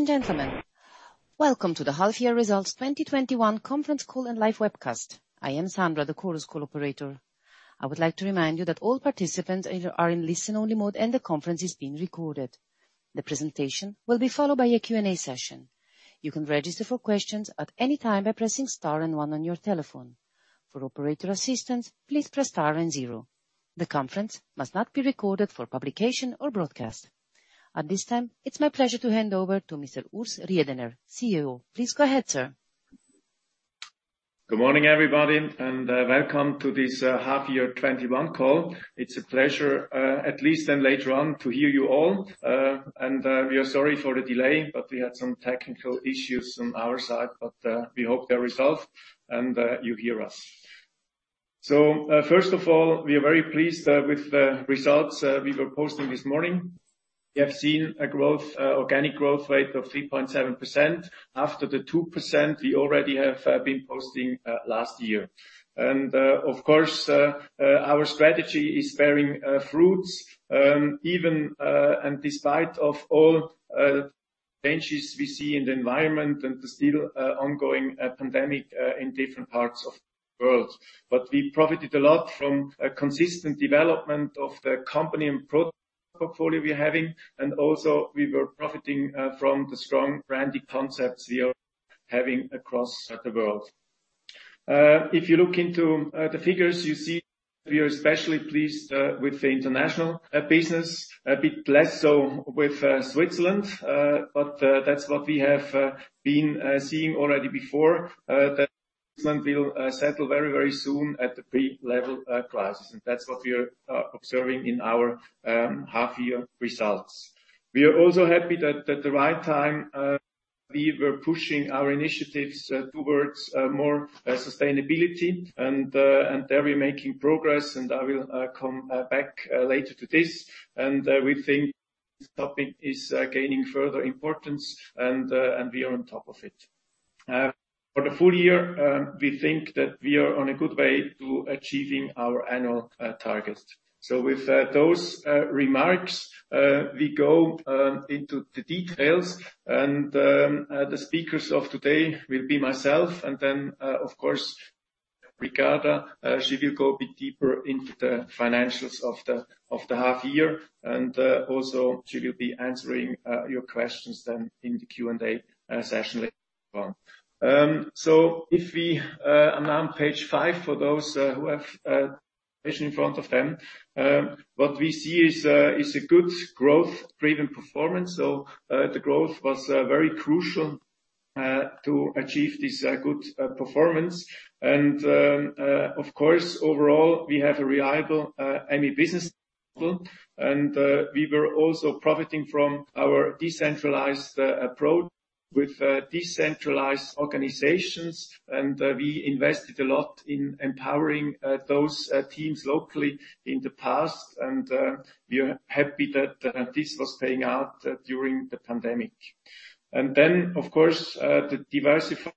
Ladies and gentlemen, welcome to the half-year results 2021 conference call and live webcast. I am Sandra, the Chorus Call operator. I would like to remind you that all participants are in listen-only mode, and the conference is being recorded. The presentation will be followed by a Q&A session. You can register for questions at any time by pressing star and one on your telephone. For operator assistance, please press star and zero. The conference must not be recorded for publication or broadcast. At this time, it's my pleasure to hand over to Mr. Urs Riedener, CEO. Please go ahead, sir. Good morning, everybody, welcome to this half-year 2021 call. It is a pleasure, at least later on, to hear you all. We are sorry for the delay, we had some technical issues on our side, we hope they're resolved and you hear us. First of all, we are very pleased with the results we were posting this morning. We have seen a organic growth rate of 3.7%, after the 2% we already have been posting last year. Of course, our strategy is bearing fruits, even and despite of all challenges we see in the environment and the still ongoing pandemic in different parts of the world. We profited a lot from a consistent development of the company and portfolio we're having. Also, we were profiting from the strong branding concepts we are having across the world. If you look into the figures, you see we are especially pleased with the international business, a bit less so with Switzerland. That's what we have been seeing already before, that Switzerland will settle very soon at the pre-level crisis. That's what we are observing in our half-year results. We are also happy that at the right time, we were pushing our initiatives towards more sustainability, and there we're making progress, and I will come back later to this. We think this topic is gaining further importance, and we are on top of it. For the full-year, we think that we are on a good way to achieving our annual target. With those remarks, we go into the details, and the speakers of today will be myself and then, of course, Ricarda. She will go a bit deeper into the financials of the half-year, also she will be answering your questions then in the Q&A session later on. If we are now on Page five, for those who have the presentation in front of them, what we see is a good growth-driven performance. The growth was very crucial to achieve this good performance. Of course, overall, we have a reliable Emmi business and we were also profiting from our decentralized approach with decentralized organizations. We invested a lot in empowering those teams locally in the past, and we are happy that this was paying out during the pandemic. Then, of course, the diversified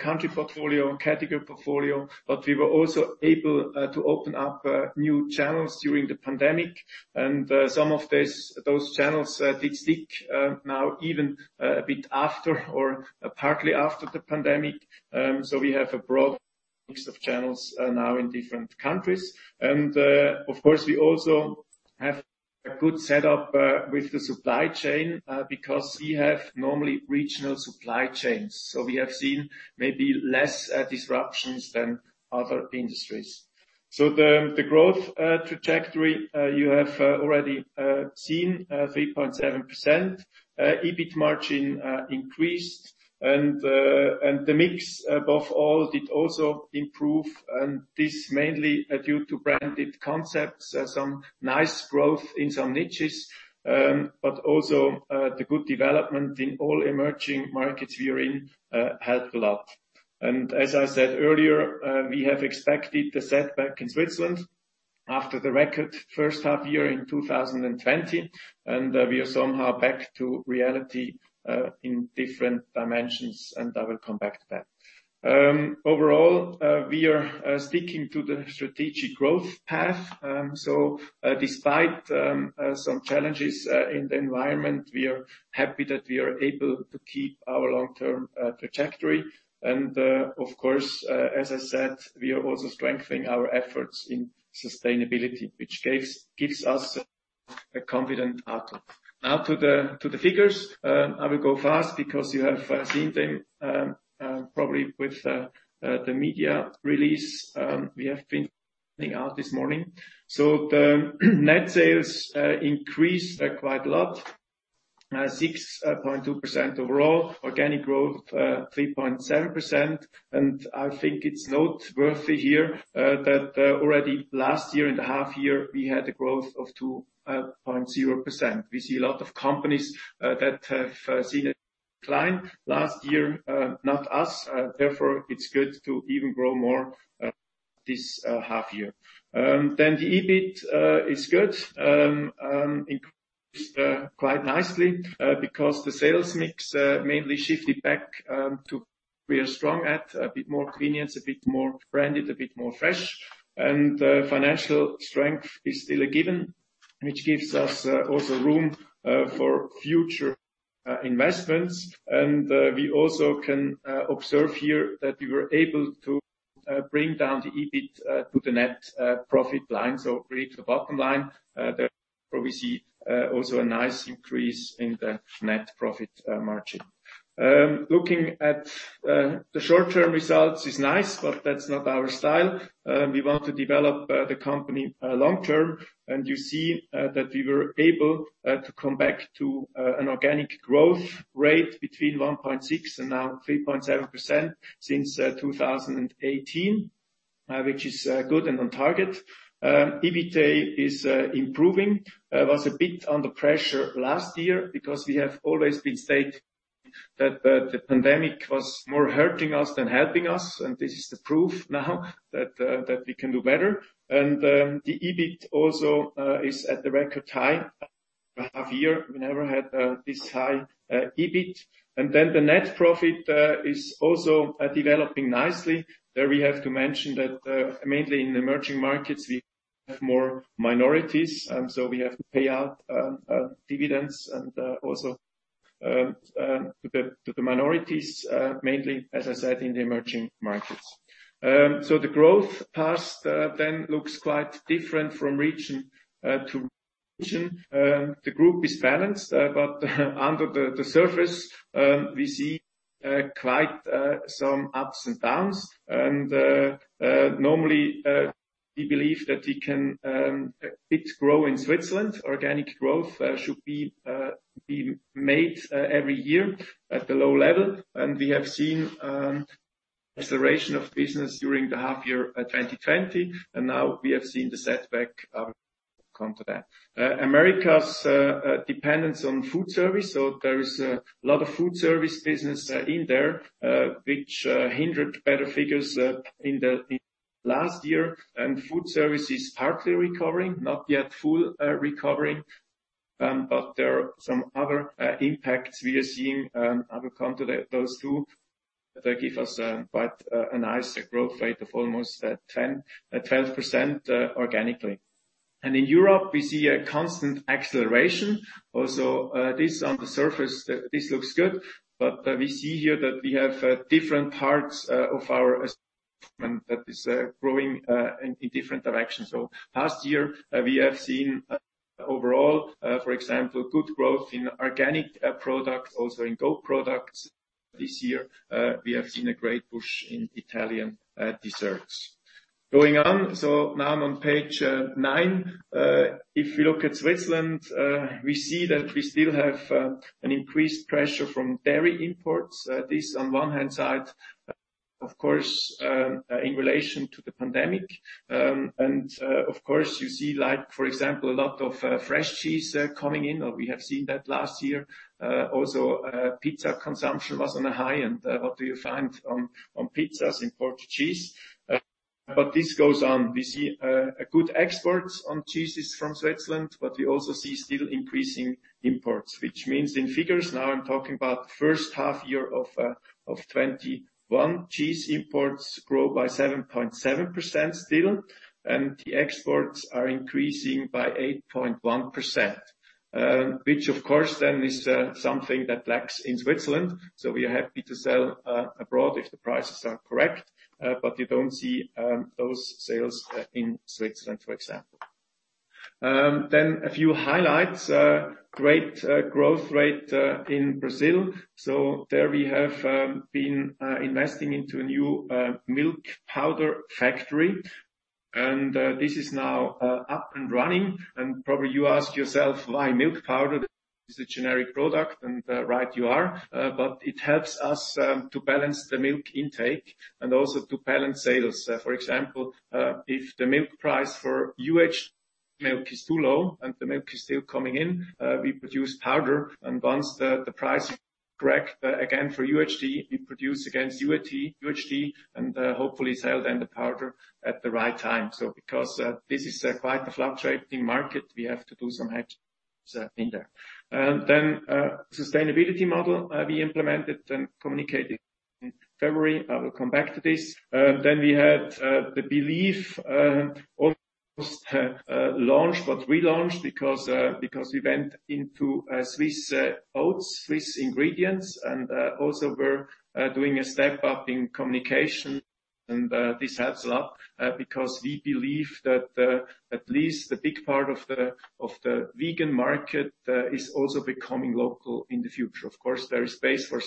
country portfolio and category portfolio, but we were also able to open up new channels during the pandemic. Some of those channels did stick now even a bit after or partly after the pandemic. Of course, we also have a good setup with the supply chain, because we have normally regional supply chains. We have seen maybe less disruptions than other industries. The growth trajectory, you have already seen, 3.7%. EBIT margin increased, and the mix above all did also improve, and this mainly due to branded concepts, some nice growth in some niches. Also, the good development in all emerging markets we are in helped a lot. As I said earlier, we have expected a setback in Switzerland after the record first half-year in 2020, and we are somehow back to reality, in different dimensions, and I will come back to that. Overall, we are sticking to the strategic growth path. Despite some challenges in the environment, we are happy that we are able to keep our long-term trajectory. Of course, as I said, we are also strengthening our efforts in sustainability, which gives us a confident outlook. Now to the figures. I will go fast because you have seen them probably with the media release we have been sending out this morning. The net sales increased quite a lot, 6.2% overall, organic growth 3.7%. I think it's noteworthy here that already last year in the half-year, we had a growth of 2.0%. We see a lot of companies that have seen a decline last year. Not us, therefore it's good to even grow more this half-year. The EBIT is good. Increased quite nicely, because the sales mix mainly shifted back. We are strong at a bit more convenience, a bit more branded, a bit more fresh. Financial strength is still a given, which gives us also room for future investments. We also can observe here that we were able to bring down the EBIT to the net profit line, so really to the bottom line. There, where we also see a nice increase in the net profit margin. Looking at the short-term results is nice, but that's not our style. We want to develop the company long-term. You see that we were able to come back to an organic growth rate between 1.6% and now 3.7% since 2018, which is good and on target. EBITA is improving. Was a bit under pressure last year because we have always been saying that the pandemic was more hurting us than helping us, and this is the proof now that we can do better. The EBIT also is at the record high for half year. We never had this high EBIT. The net profit is also developing nicely. There we have to mention that, mainly in emerging markets, we have more minorities, and so we have to pay out dividends and also to the minorities, mainly, as I said, in the emerging markets. The growth path then looks quite different from region to region. The group is balanced, but under the surface, we see quite some ups and downs. Normally, we believe that we can a bit grow in Switzerland. Organic growth should be made every year at a low level. We have seen acceleration of business during the half year 2020, and now we have seen the setback come to that. America's dependence on food service, so there is a lot of food service business in there, which hindered better figures in last year, and food service is partly recovering, not yet full recovering, but there are some other impacts we are seeing counter those two, that give us quite a nice growth rate of almost at 12% organically. In Europe, we see a constant acceleration. This on the surface, this looks good, but we see here that we have different parts of our that is growing in different directions. Past year, we have seen overall, for example, good growth in organic products, also in goat products. This year, we have seen a great push in Italian desserts. Going on, so now I'm on Page nine. If we look at Switzerland, we see that we still have an increased pressure from dairy imports. This, on one hand, of course, in relation to the pandemic. Of course, you see, for example, a lot of fresh cheese coming in, or we have seen that last year. Pizza consumption was on a high, and what do you find on pizzas? Imported cheese. This goes on. We see a good export on cheeses from Switzerland, but we also see still increasing imports, which means in figures, now I'm talking about the first half-year of 2021, cheese imports grow by 7.7% still, and the exports are increasing by 8.1%, which, of course, then is something that lacks in Switzerland. We are happy to sell abroad if the prices are correct. You don't see those sales in Switzerland, for example. A few highlights. Great growth rate in Brazil. There we have been investing into a new milk powder factory, and this is now up and running. Probably you ask yourself, Why milk powder? This is a generic product. Right you are. It helps us to balance the milk intake and also to balance sales. For example, if the milk price for UH milk is too low and the milk is still coming in, we produce powder, and once the price is correct again for UHT, we produce against UHT, and hopefully sell then the powder at the right time. Because this is quite a fluctuating market, we have to do some hedging in there. Sustainability model we implemented and communicated in February. I will come back to this. We had the beleaf, almost launched, but relaunched because we went into Swiss oats, Swiss ingredients, and also we're doing a step up in communication and this helps a lot, because we believe that at least the big part of the vegan market is also becoming local in the future. Of course, there is space for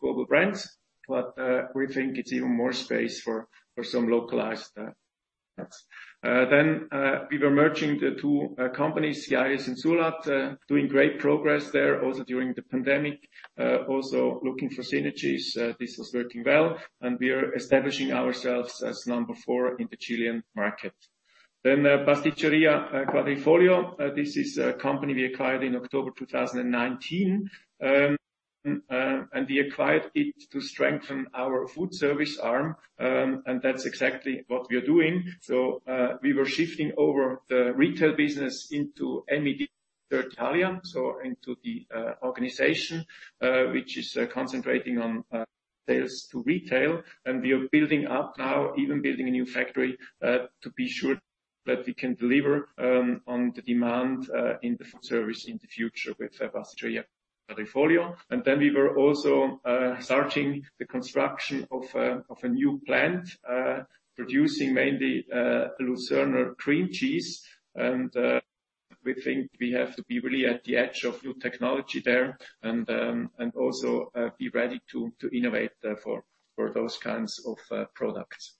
global brands, but we think it's even more space for some localized products. We were merging the two companies, Quillayes Surlat, doing great progress there also during the pandemic, also looking for synergies. This was working well, and we are establishing ourselves as number four in the Chilean market. Pasticceria Quadrifoglio. This is a company we acquired in October 2019, and we acquired it to strengthen our food service arm. That's exactly what we are doing. We were shifting over the retail business into Emmi Dessert Italia, into the organization, which is concentrating on sales to retail, and we are building up now, even building a new factory to be sure that we can deliver on the demand in the food service in the future with Pasticceria Quadrifoglio. We were also starting the construction of a new plant, producing mainly Luzerner cream cheese. We think we have to be really at the edge of new technology there and also be ready to innovate for those kinds of products.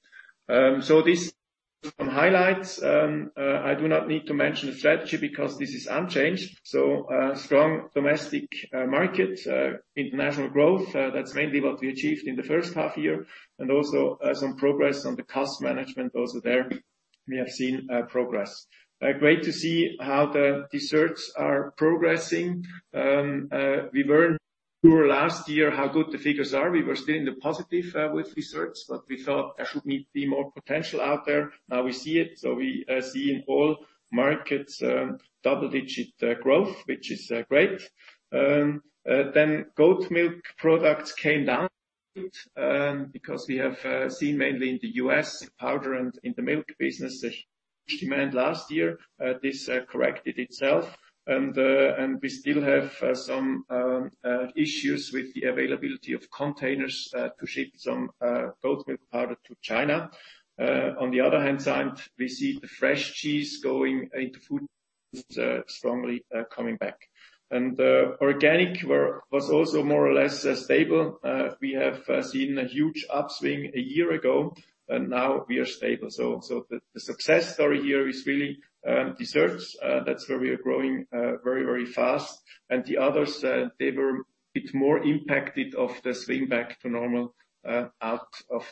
This, some highlights. I do not need to mention the strategy because this is unchanged. Strong domestic market, international growth, that's mainly what we achieved in the first half year and also some progress on the cost management. Also there, we have seen progress. Great to see how the desserts are progressing. We learned through last year how good the figures are. We were still in the positive with desserts, but we thought there should be more potential out there. Now we see it. We see in all markets double-digit growth, which is great. Goat milk products came down a bit, because we have seen mainly in the U.S., in powder and in the milk business, a huge demand last year. This corrected itself, and we still have some issues with the availability of containers to ship some goat milk powder to China. On the other hand, we see the fresh cheese going into food strongly coming back. Organic was also more or less stable. We have seen a huge upswing a year ago, and now we are stable. The success story here is really desserts. That's where we are growing very, very fast. The others, they were a bit more impacted of the swing back to normal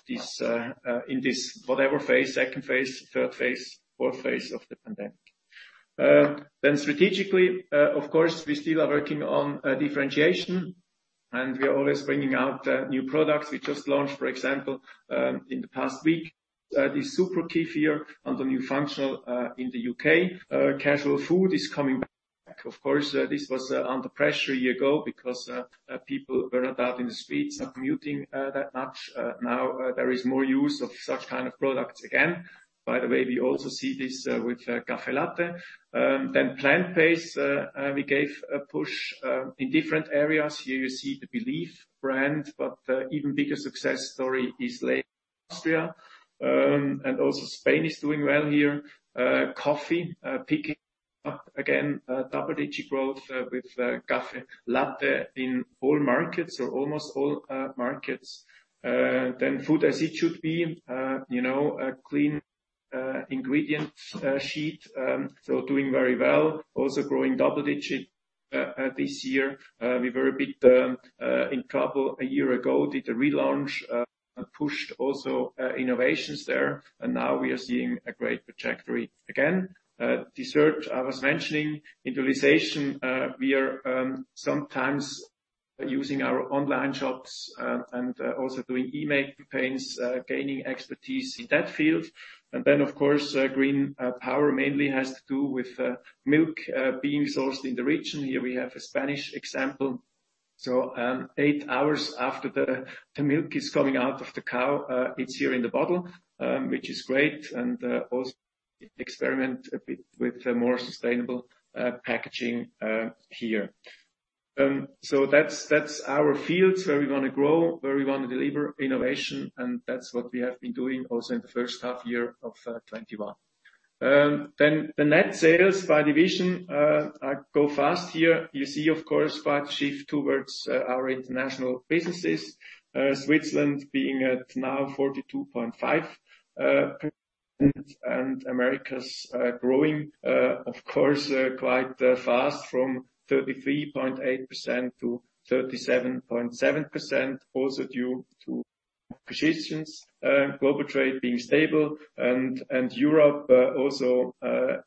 in this whatever second phase, third phase, fourth phase of the pandemic. Strategically, of course, we still are working on differentiation, and we are always bringing out new products. We just launched, for example, in the past week, the Super Kefir and the new functional in the U.K. Casual food is coming back. Of course, this was under pressure a year ago because people were not out in the streets, not commuting that much. Now there is more use of such kind of products again. By the way, we also see this with CAFFÈ LATTE. Plant-based, we gave a push in different areas. Here you see the beleaf brand, but even bigger success story is laid in Austria, and also Spain is doing well here. Coffee picking up again, double-digit growth with CAFFÈ LATTE in all markets or almost all markets. Food as it should be, a clean ingredient sheet, so doing very well, also growing double-digit this year. We were a bit in trouble a year ago, did a relaunch, pushed also innovations there, and now we are seeing a great trajectory again. Dessert, I was mentioning. Digitalization, we are sometimes using our online shops and also doing email campaigns, gaining expertise in that field. Of course, green power mainly has to do with milk being sourced in the region. Here we have a Spanish example. Eight hours after the milk is coming out of the cow, it's here in the bottle, which is great, and also experiment a bit with a more sustainable packaging here. That's our fields where we want to grow, where we want to deliver innovation, and that's what we have been doing also in the first half-year of 2021. The net sales by division, I go fast here. You see, of course, quite a shift towards our international businesses. Switzerland being at now 42.5%, and Americas growing, of course, quite fast from 33.8%-37.7%, also due to acquisitions, global trade being stable and Europe also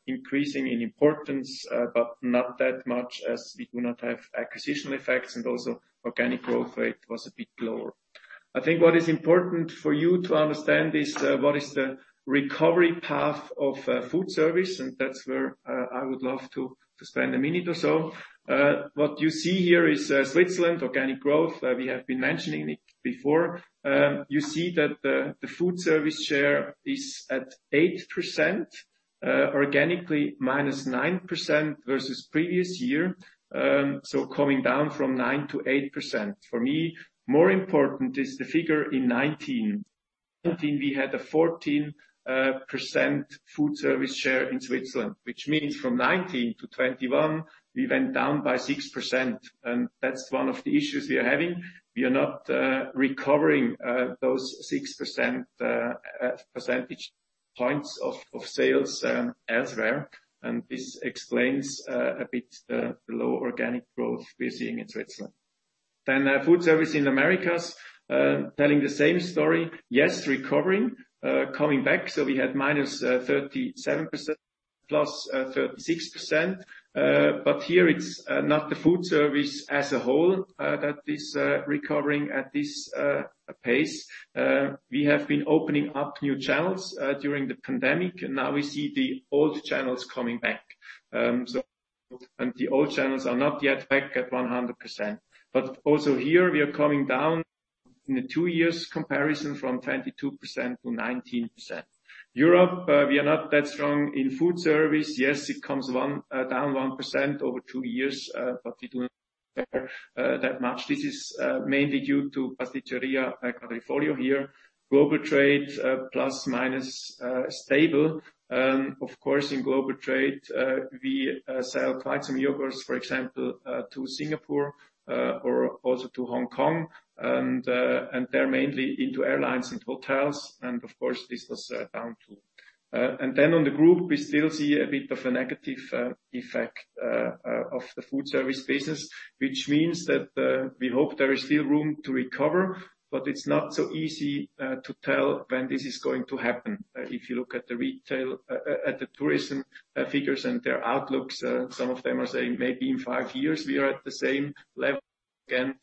increasing in importance, but not that much as we do not have acquisitional effects and also organic growth rate was a bit lower. I think what is important for you to understand is what is the recovery path of food service, and that's where I would love to spend a minute or so. What you see here is Switzerland organic growth. We have been mentioning it before. You see that the food service share is at 8%, organically -9% versus previous year, coming down from 9%-8%. For me, more important is the figure in 2019. 2019 we had a 14% food service share in Switzerland, which means from 2019-2021, we went down by 6%, and that's one of the issues we are having. We are not recovering those 6% percentage points of sales elsewhere, and this explains a bit the low organic growth we are seeing in Switzerland. Food service in Americas, telling the same story. Yes, recovering, coming back. We had -37%, +36%. Here it's not the food service as a whole that is recovering at this pace. We have been opening up new channels during the pandemic, and now we see the old channels coming back. The old channels are not yet back at 100%. Also here, we are coming down in a two years comparison from 22% to 19%. Europe, we are not that strong in food service. Yes, it comes down 1% over two years, but we do that much. This is mainly due to Pasticceria Quadrifoglio here. Global trade, plus, minus, stable. Of course, in global trade, we sell quite some yogurts, for example, to Singapore, or also to Hong Kong, and they're mainly into airlines and hotels, and of course, this was down too. On the group, we still see a bit of a negative effect of the food service business, which means that we hope there is still room to recover, but it's not so easy to tell when this is going to happen. If you look at the retail, at the tourism figures and their outlooks, some of them are saying maybe in five years we are at the same level again.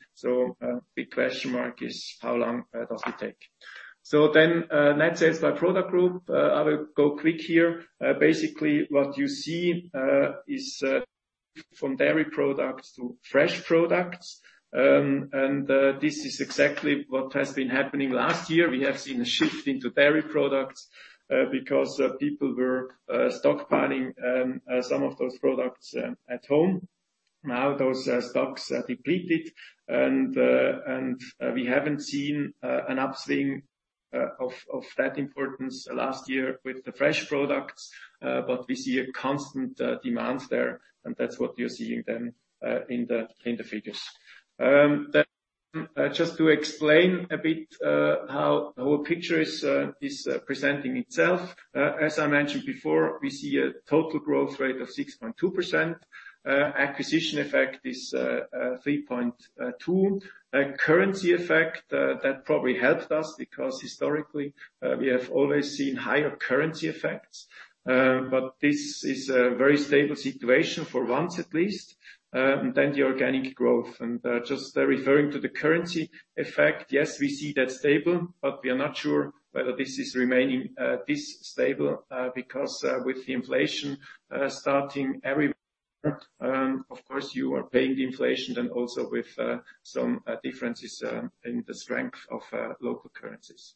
A big question mark is how long does it take? Net sales by product group, I will go quick here. Basically, what you see is from dairy products to fresh products. This is exactly what has been happening. Last year, we have seen a shift into dairy products because people were stockpiling some of those products at home. Now those stocks are depleted and we haven't seen an upswing of that importance last year with the fresh products. We see a constant demand there, and that's what you're seeing then in the figures. Just to explain a bit how the whole picture is presenting itself. As I mentioned before, we see a total growth rate of 6.2%. Acquisition effect is 3.2%. Currency effect, that probably helped us because historically we have always seen higher currency effects. This is a very stable situation for once at least, and then the organic growth. Just referring to the currency effect, yes, we see that stable, but we are not sure whether this is remaining this stable because with the inflation starting everywhere, of course, you are paying the inflation then also with some differences in the strength of local currencies.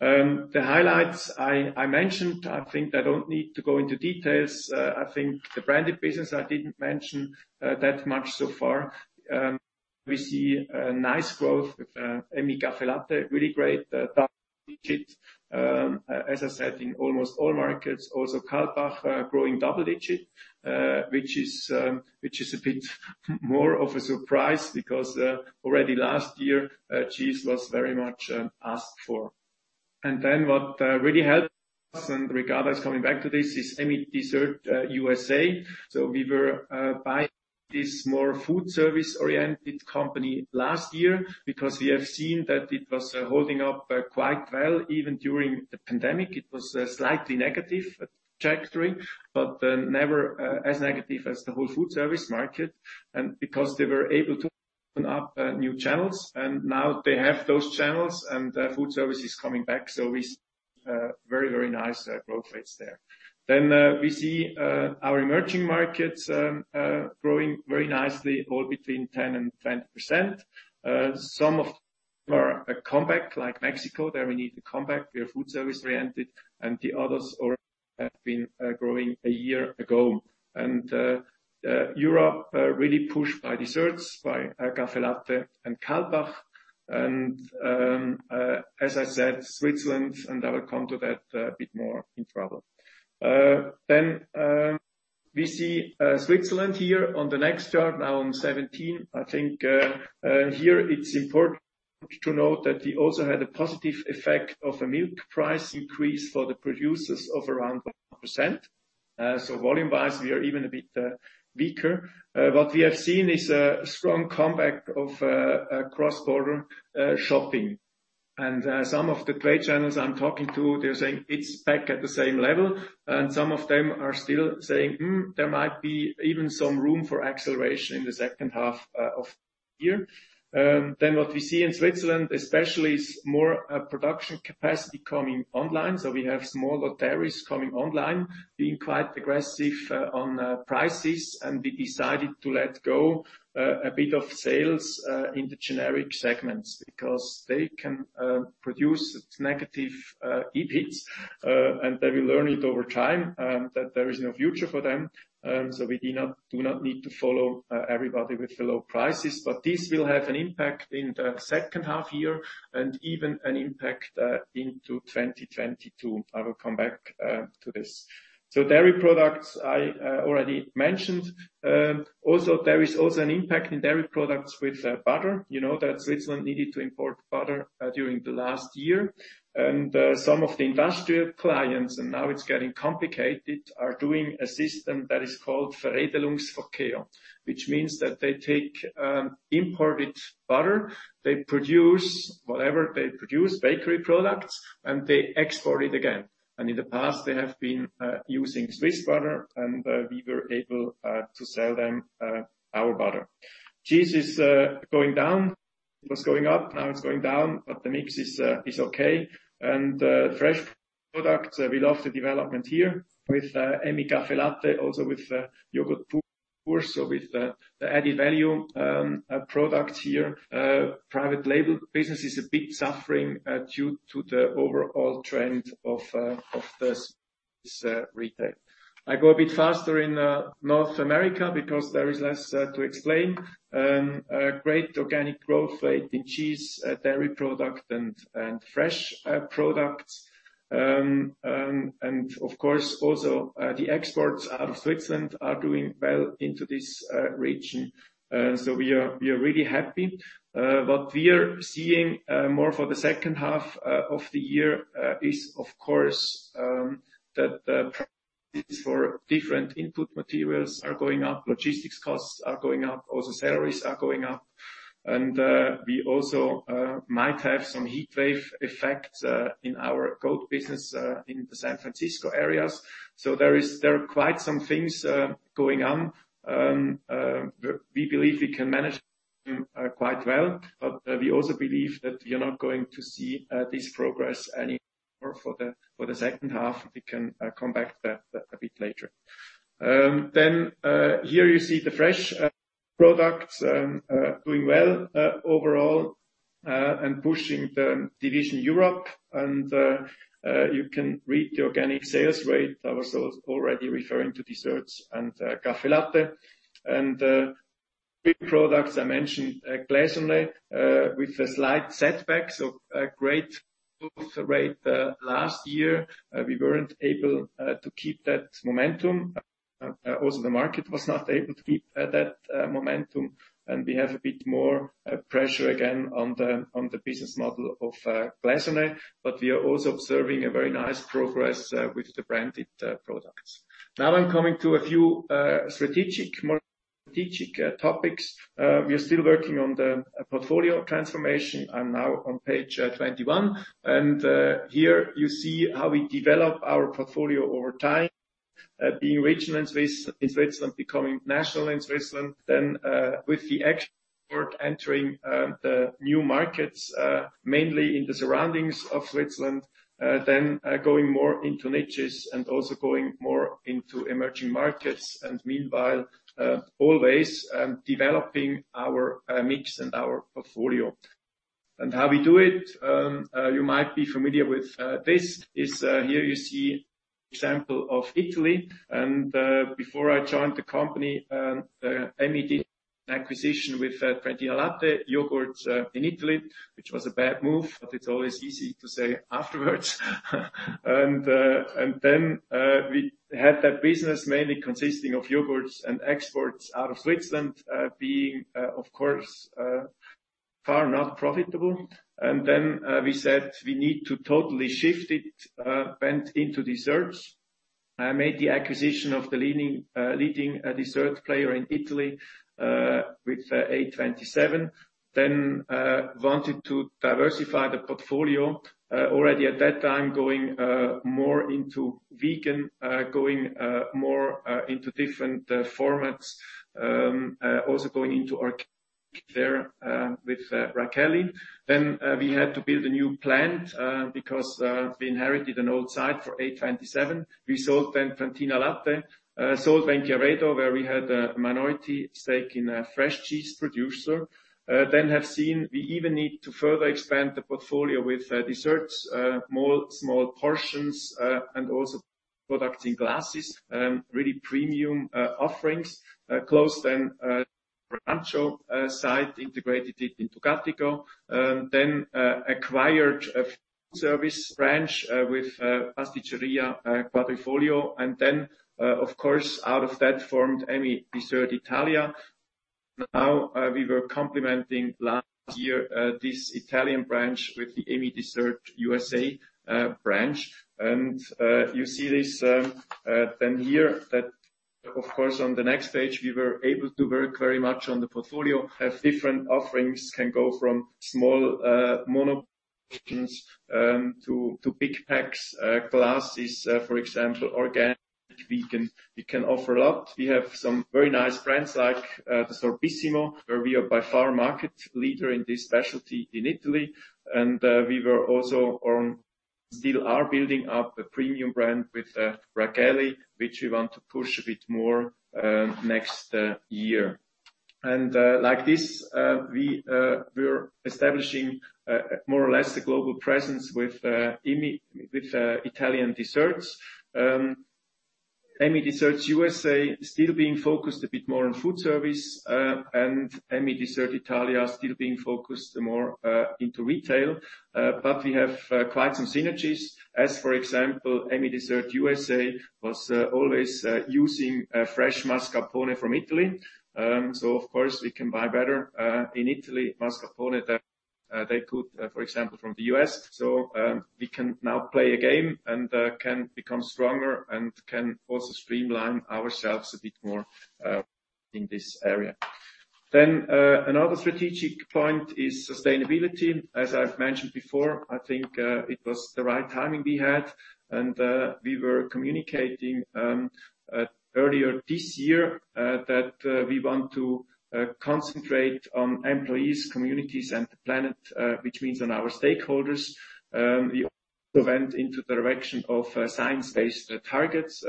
The highlights I mentioned, I think I don't need to go into details. I think the branded business I didn't mention that much so far. We see a nice growth with Emmi CAFFÈ LATTE, really great, double-digit, as I said, in almost all markets. Kaltbach growing double-digit, which is a bit more of a surprise because already last year, cheese was very much asked for. What really helped us, and regardless, coming back to this, is Emmi Dessert USA. We were buying this more food service-oriented company last year because we have seen that it was holding up quite well, even during the pandemic. It was a slightly negative trajectory, but never as negative as the whole food service market. Because they were able to open up new channels, and now they have those channels and food service is coming back, so we see very nice growth rates there. We see our emerging markets growing very nicely, all between 10%-20%. Some of them are a comeback like Mexico, there we need to come back, we are food service-oriented, the others already have been growing a year ago. Europe, really pushed by desserts, by CAFFÈ LATTE and Kaltbach. As I said, Switzerland, I will come to that a bit more in trouble. We see Switzerland here on the next chart, now on 17. I think here it's important to note that we also had a positive effect of a milk price increase for the producers of around 1%. Volume-wise, we are even a bit weaker. What we have seen is a strong comeback of cross-border shopping. Some of the trade channels I'm talking to, they're saying it's back at the same level, and some of them are still saying, Hmm, there might be even some room for acceleration in the second half of the year. What we see in Switzerland especially is more production capacity coming online. We have smaller dairies coming online, being quite aggressive on prices, and we decided to let go a bit of sales in the generic segments because they can produce negative EBITs, and they will learn it over time, that there is no future for them. We do not need to follow everybody with the low prices. This will have an impact in the second half-year and even an impact into 2022. I will come back to this. Dairy products, I already mentioned. There is also an impact in dairy products with butter. You know that Switzerland needed to import butter during the last year. Some of the industrial clients, and now it's getting complicated, are doing a system that is called which means that they take imported butter, they produce whatever they produce, bakery products, and they export it again. In the past, they have been using Swiss butter, and we were able to sell them our butter. It was going up, now it's going down, but the mix is okay. Fresh products, we love the development here with Emmi CAFFÈ LATTE, also with Jogurtpur. With the added value products here, private label business is a bit suffering due to the overall trend of this retail. I go a bit faster in North America because there is less to explain. Great organic growth rate in cheese, dairy product, and fresh products. Of course, also, the exports out of Switzerland are doing well into this region. We are really happy. What we are seeing more for the second half of the year is, of course, that the prices for different input materials are going up, logistics costs are going up, also salaries are going up. We also might have some heatwave effect in our goat business in the San Francisco areas. There are quite some things going on. We believe we can manage them quite well, but we also believe that we are not going to see this progress anymore for the second half. We can come back to that a bit later. Here you see the fresh products doing well overall and pushing the division Europe. You can read the organic sales rate. I was also already referring to desserts and CAFFÈ LATTE and the big products I mentioned, Gläserne, with a slight setback. A great growth rate last year, we weren't able to keep that momentum. The market was not able to keep that momentum, and we have a bit more pressure again on the business model of Gläserne. We are also observing a very nice progress with the branded products. I'm coming to a few strategic topics. We are still working on the portfolio transformation and now on Page 21. Here you see how we develop our portfolio over time, being regional in Switzerland, becoming national in Switzerland. With the export, entering the new markets, mainly in the surroundings of Switzerland. Going more into niches and also going more into emerging markets. Meanwhile, always developing our mix and our portfolio. How we do it, you might be familiar with this, is here you see example of Italy. Before I joined the company, Emmi did an acquisition with Trentinalatte yogurt in Italy, which was a bad move, but it's always easy to say afterwards. We had that business mainly consisting of yogurts and exports out of Switzerland, being, of course, far not profitable. We said we need to totally shift it bent into desserts and made the acquisition of the leading dessert player in Italy with A-27. We wanted to diversify the portfolio, already at that time, going more into vegan, going more into different formats, also going into organic there with Rachelli. We had to build a new plant because we inherited an old site for A-27. We sold Trentinalatte, sold Venchiaredo, where we had a minority stake in a fresh cheese producer. We have seen we even need to further expand the portfolio with desserts, more small portions, and also products in glasses, really premium offerings. Closed then Rancho site, integrated it into Gattico, then acquired a food service branch with Pasticceria Quadrifoglio, and then, of course, out of that formed Emmi Dessert Italia. Now, we were complementing last year, this Italian branch with the Emmi Dessert USA branch. You see this then here that, of course, on the next page, we were able to work very much on the portfolio. We have different offerings, can go from small monoportions to big packs, glasses, for example, organic, vegan. We can offer a lot. We have some very nice brands like the Sorbissimo, where we are by far market leader in this specialty in Italy. We still are building up a premium brand with Rachelli, which we want to push a bit more next year. Like this, we're establishing more or less a global presence with Italian desserts. Emmi Desserts USA still being focused a bit more on food service, and Emmi Dessert Italia still being focused more into retail. We have quite some synergies as, for example, Emmi Dessert USA was always using fresh mascarpone from Italy. Of course, we can buy better in Italy, mascarpone that they could, for example, from the U.S. We can now play a game and can become stronger and can also streamline ourselves a bit more in this area. Another strategic point is sustainability. As I've mentioned before, I think, it was the right timing we had and we were communicating earlier this year that we want to concentrate on employees, communities, and the planet, which means on our stakeholders. We also went into the direction of science-based targets.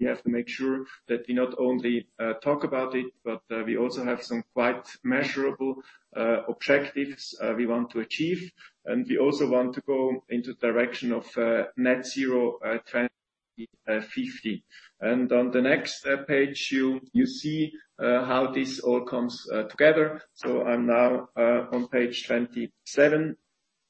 We have to make sure that we not only talk about it, but we also have some quite measurable objectives we want to achieve. We also want to go into direction of net zero by 2050. On the next page you see how this all comes together. I'm now on Page 27.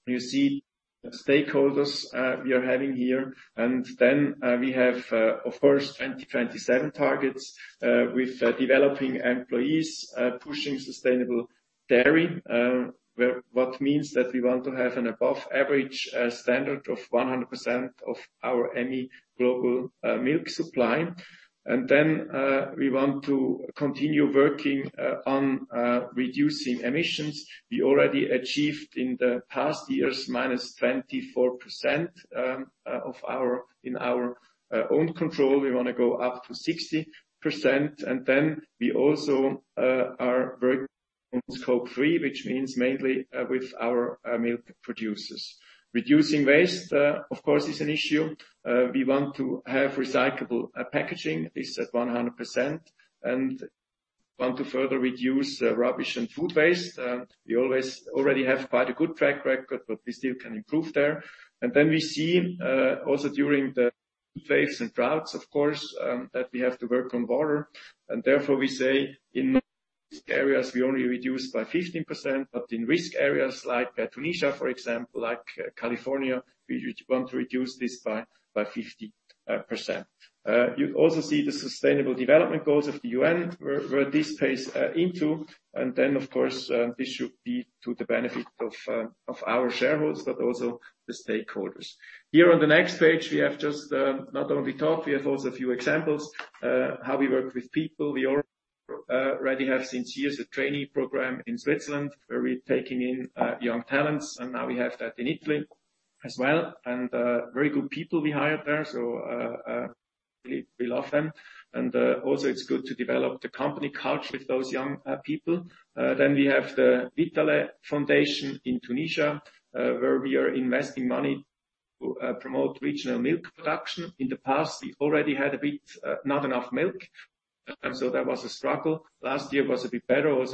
You see the stakeholders we are having here, and then we have, of course, 2027 targets with developing employees, pushing sustainable dairy, what means that we want to have an above average standard of 100% of our Emmi global milk supply. We want to continue working on reducing emissions. We already achieved in the past years -24% in our own control. We want to go up to 60%. We also are working on Scope 3, which means mainly with our milk producers. Reducing waste, of course, is an issue. We want to have recyclable packaging, this at 100%, and want to further reduce rubbish and food waste. We already have quite a good track record, but we still can improve there. We see, also during the heatwaves and droughts, of course, that we have to work on water. Therefore we say in most areas, we only reduce by 15%, but in risk areas like Tunisia, for example, like California, we want to reduce this by 50%. You also see the sustainable development goals of the UN, where this plays into, and then, of course, this should be to the benefit of our shareholders, but also the stakeholders. Here on the next page, we have just not only talk, we have also a few examples, how we work with people. We already have since years a trainee program in Switzerland where we're taking in young talents, and now we have that in Italy as well. Very good people we hired there, so we love them. Also it's good to develop the company culture with those young people. We have the Vitalait Fondation in Tunisia, where we are investing money to promote regional milk production. In the past, we've already had a bit not enough milk, and so that was a struggle. Last year was a bit better. In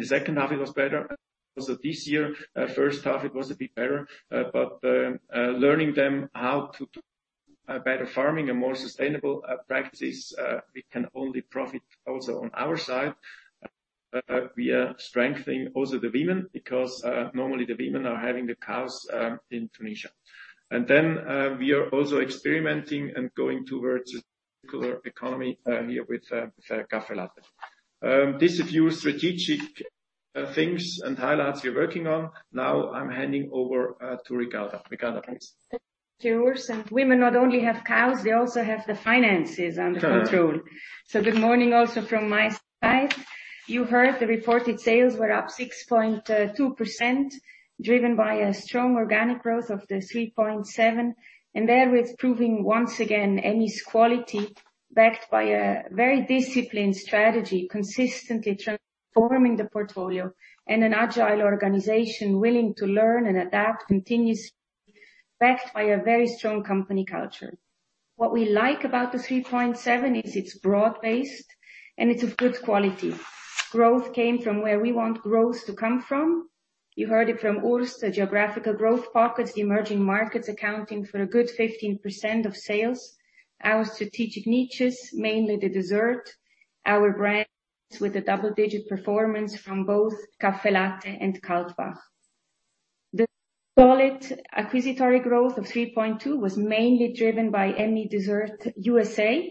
the second half it was better. This year, first half it was a bit better. Learning them how to do better farming and more sustainable practices, we can only profit also on our side. We are strengthening also the women because, normally the women are having the cows in Tunisia. We are also experimenting and going towards a circular economy here with CAFFÈ LATTE. These are a few strategic things and highlights we're working on. I'm handing over to Ricarda. Ricarda, please? Thank you, Urs. Women not only have cows, they also have the finances under control. Good morning also from my side. You heard the reported sales were up 6.2%, driven by a strong organic growth of 3.7%, and therewith proving once again Emmi's quality backed by a very disciplined strategy, consistently transforming the portfolio and an agile organization willing to learn and adapt continuously, backed by a very strong company culture. What we like about the 3.7% is it's broad-based and it's of good quality. Growth came from where we want growth to come from. You heard it from Urs, the geographical growth pockets, the emerging markets accounting for a good 15% of sales. Our strategic niches, mainly the dessert, our brands with a double-digit performance from both CAFFÈ LATTE and Kaltbach. The solid acquisitory growth of 3.2% was mainly driven by Emmi Dessert USA,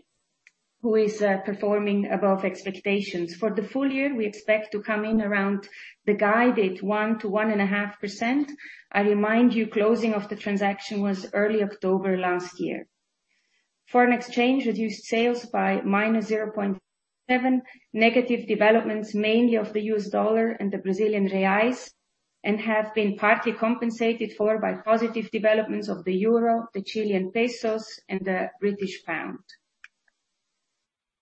who is performing above expectations. For the full year, we expect to come in around the guided 1%-1.5%. I remind you, closing of the transaction was early October last year. Foreign exchange reduced sales by -0.7%, negative developments mainly of the U.S. dollar and the Brazilian reais, and have been partly compensated for by positive developments of the euro, the Chilean pesos and the British pound.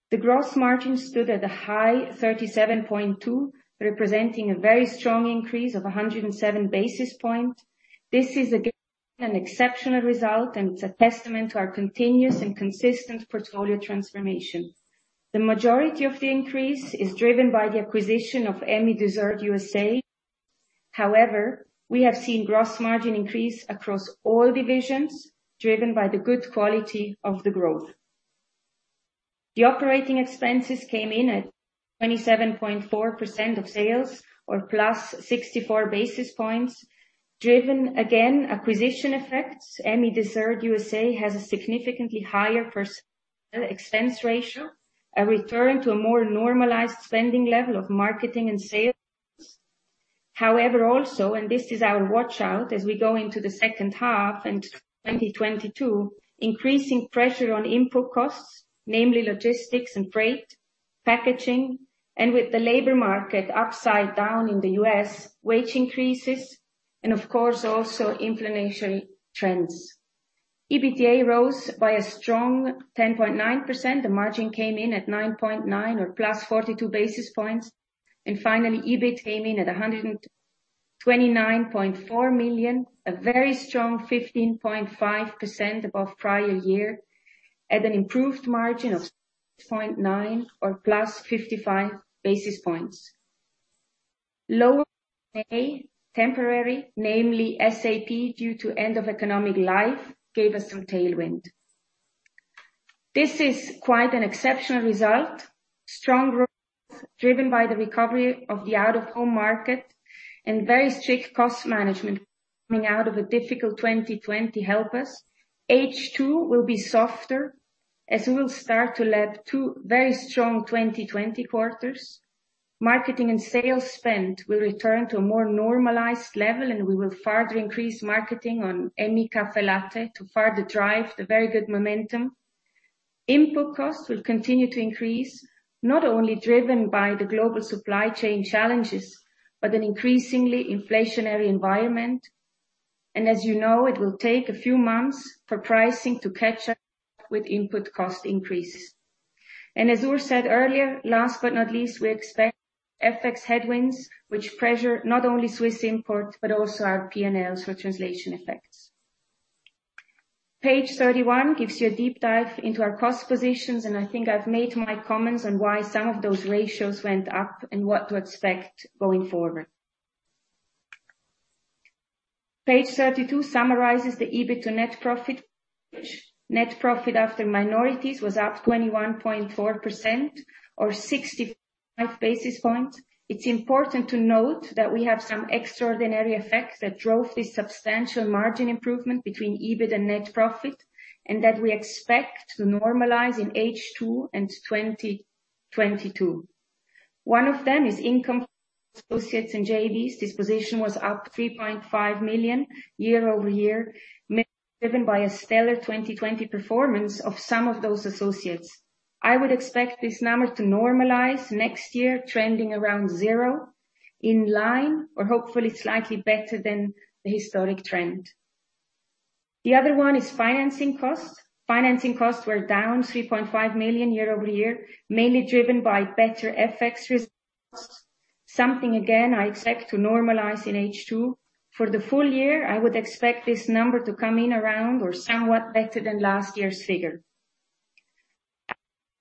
The gross margin stood at a high 37.2%, representing a very strong increase of 107 basis points. This is again an exceptional result and it's a testament to our continuous and consistent portfolio transformation. The majority of the increase is driven by the acquisition of Emmi Dessert USA. We have seen gross margin increase across all divisions, driven by the good quality of the growth. The operating expenses came in at 27.4% of sales or +64 basis points, driven again, acquisition effects. Emmi Dessert USA has a significantly higher personal expense ratio, a return to a more normalized spending level of marketing and sales. Also, and this is our watch-out as we go into the second half and 2022, increasing pressure on input costs, namely logistics and freight, packaging, and with the labor market upside down in the U.S., wage increases, and of course, also inflationary trends. EBITDA rose by a strong 10.9%. The margin came in at 9.9% or +42 basis points. Finally, EBIT came in at 129.4 million, a very strong 15.5% above prior year at an improved margin of 6.9% or +55 basis points. Lower temporary, namely SAP due to end of economic life, gave us some tailwind. This is quite an exceptional result. Strong growth driven by the recovery of the out-of-home market and very strict cost management coming out of a difficult 2020 help us. H2 will be softer as we will start to lap two very strong 2020 quarters. Marketing and sales spend will return to a more normalized level. We will further increase marketing on Emmi CAFFÈ LATTE to further drive the very good momentum. Input costs will continue to increase, not only driven by the global supply chain challenges, but an increasingly inflationary environment. As you know, it will take a few months for pricing to catch up with input cost increases. As Urs said earlier, last but not least, we expect FX headwinds which pressure not only Swiss import but also our P&Ls for translation effects. Page 31 gives you a deep dive into our cost positions, and I think I've made my comments on why some of those ratios went up and what to expect going forward. Page 32 summarizes the EBIT to net profit, which net profit after minorities was up 21.4% or 65 basis points. It's important to note that we have some extraordinary effects that drove this substantial margin improvement between EBIT and net profit, and that we expect to normalize in H2 in 2022. One of them is income from associates and JVs. This position was up 3.5 million year-over-year, mainly driven by a stellar 2020 performance of some of those associates. I would expect this number to normalize next year trending around zero, in line or hopefully slightly better than the historic trend. The other one is financing costs. Financing costs were down 3.5 million year-over-year, mainly driven by better FX results. Something again I expect to normalize in H2. For the full-year, I would expect this number to come in around or somewhat better than last year's figure.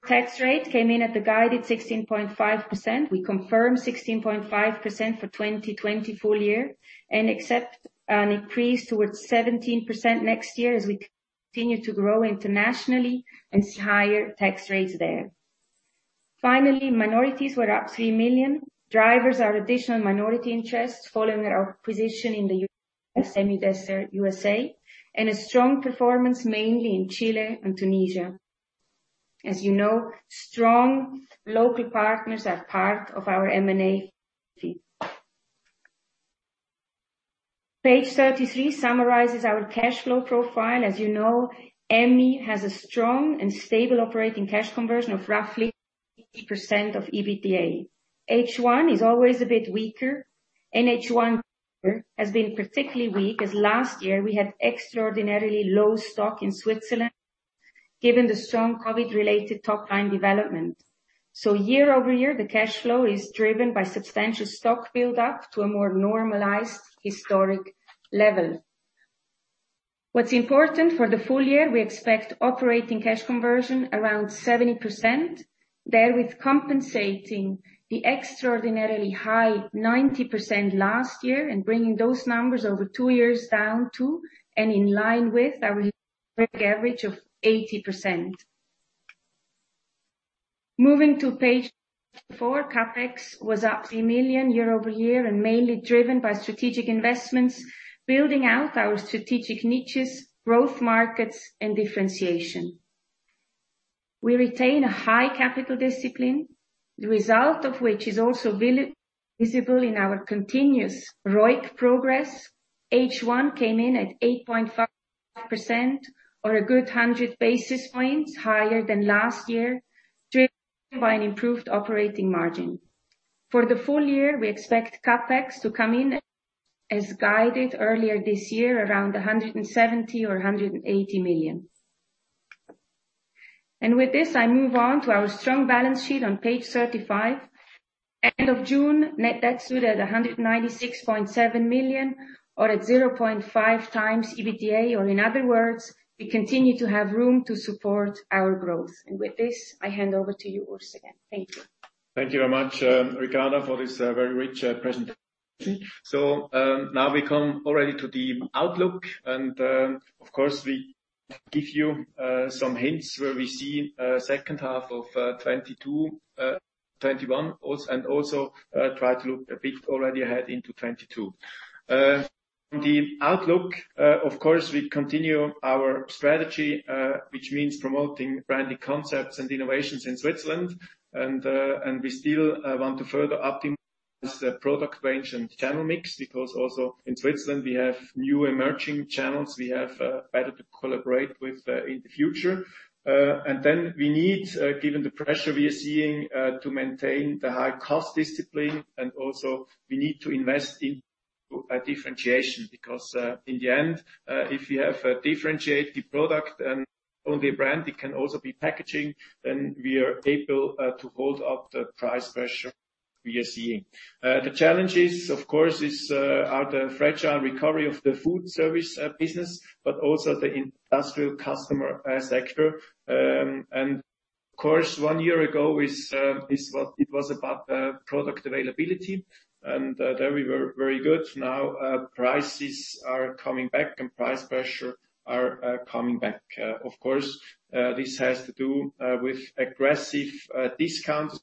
Tax rate came in at the guided 16.5%. We confirm 16.5% for 2020 full-year and accept an increase towards 17% next year as we continue to grow internationally and see higher tax rates there. Finally, minorities were up 3 million. Drivers are additional minority interests following our acquisition in Emmi Dessert USA and a strong performance mainly in Chile and Tunisia. As you know, strong local partners are part of our M&A fee. Page 33 summarizes our cash flow profile. As you know, Emmi has a strong and stable operating cash conversion of roughly 80% of EBITDA. H1 is always a bit weaker, and H1 has been particularly weak as last year we had extraordinarily low stock in Switzerland given the strong COVID related top-line development. Year-over-year, the cash flow is driven by substantial stock build-up to a more normalized historic level. What is important for the full-year, we expect operating cash conversion around 70%, therewith compensating the extraordinarily high 90% last year and bringing those numbers over two years down to and in line with our historic average of 80%. Moving to Page 34, CapEx was up 3 million year-over-year and mainly driven by strategic investments, building out our strategic niches, growth markets and differentiation. We retain a high capital discipline, the result of which is also visible in our continuous ROIC progress. H1 came in at 8.5% or a good 100 basis points higher than last year, driven by an improved operating margin. For the full-year, we expect CapEx to come in as guided earlier this year around 170 million or 180 million. With this, I move on to our strong balance sheet on Page 35. End of June, net debt stood at 196.7 million or at 0.5x EBITDA, or in other words, we continue to have room to support our growth. With this, I hand over to you, Urs, again. Thank you. Thank you very much, Ricarda, for this very rich presentation. Now we come already to the outlook, and, of course, we give you some hints where we see second half of 2021 and also try to look a bit already ahead into 2022. The outlook, of course, we continue our strategy, which means promoting branding concepts and innovations in Switzerland. We still want to further optimize the product range and channel mix because also in Switzerland, we have new emerging channels we have better to collaborate with in the future. Then we need, given the pressure we are seeing, to maintain the high cost discipline and also we need to invest in differentiation because in the end, if you have a differentiated product and only a brand, it can also be packaging, then we are able to hold up the price pressure we are seeing. The challenges, of course, are the fragile recovery of the food service business, but also the industrial customer sector. Of course, one year ago it was about the product availability, and there we were very good. Prices are coming back and price pressure are coming back. This has to do with aggressive discounts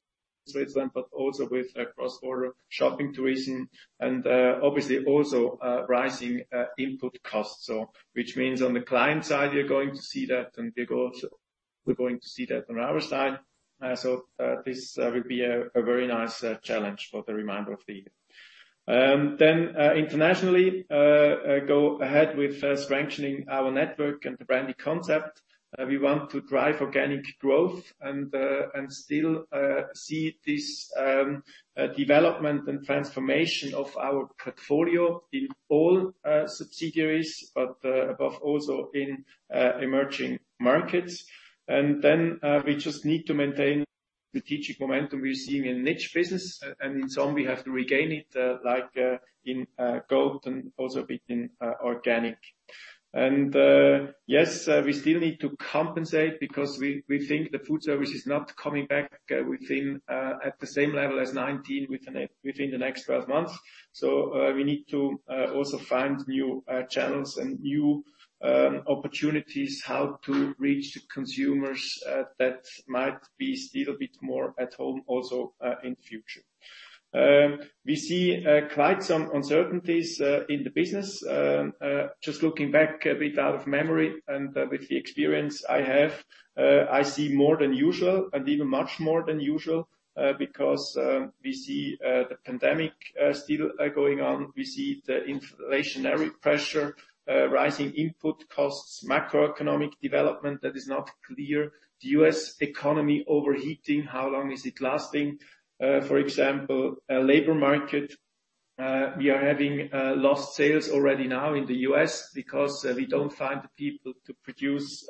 in Switzerland, but also with cross-border shopping tourism and, obviously, also rising input costs. Which means on the client side, we are going to see that, and we're going to see that on our side. This will be a very nice challenge for the remainder of the year. Internationally, go ahead with strengthening our network and the branding concept. We want to drive organic growth and still see this development and transformation of our portfolio in all subsidiaries, but above also in emerging markets. We just need to maintain the teaching momentum we're seeing in niche business, and in some we have to regain it, like in goat and also a bit in organic. Yes, we still need to compensate because we think the food service is not coming back at the same level as 2019 within the next 12 months. We need to also find new channels and new opportunities, how to reach the consumers that might be still a bit more at home also in the future. We see quite some uncertainties in the business. Just looking back a bit out of memory and with the experience I have, I see more than usual and even much more than usual, because we see the pandemic still going on. We see the inflationary pressure, rising input costs, macroeconomic development that is not clear. The U.S. economy overheating, how long is it lasting? For example, labor market, we are having lost sales already now in the U.S. because we don't find the people to produce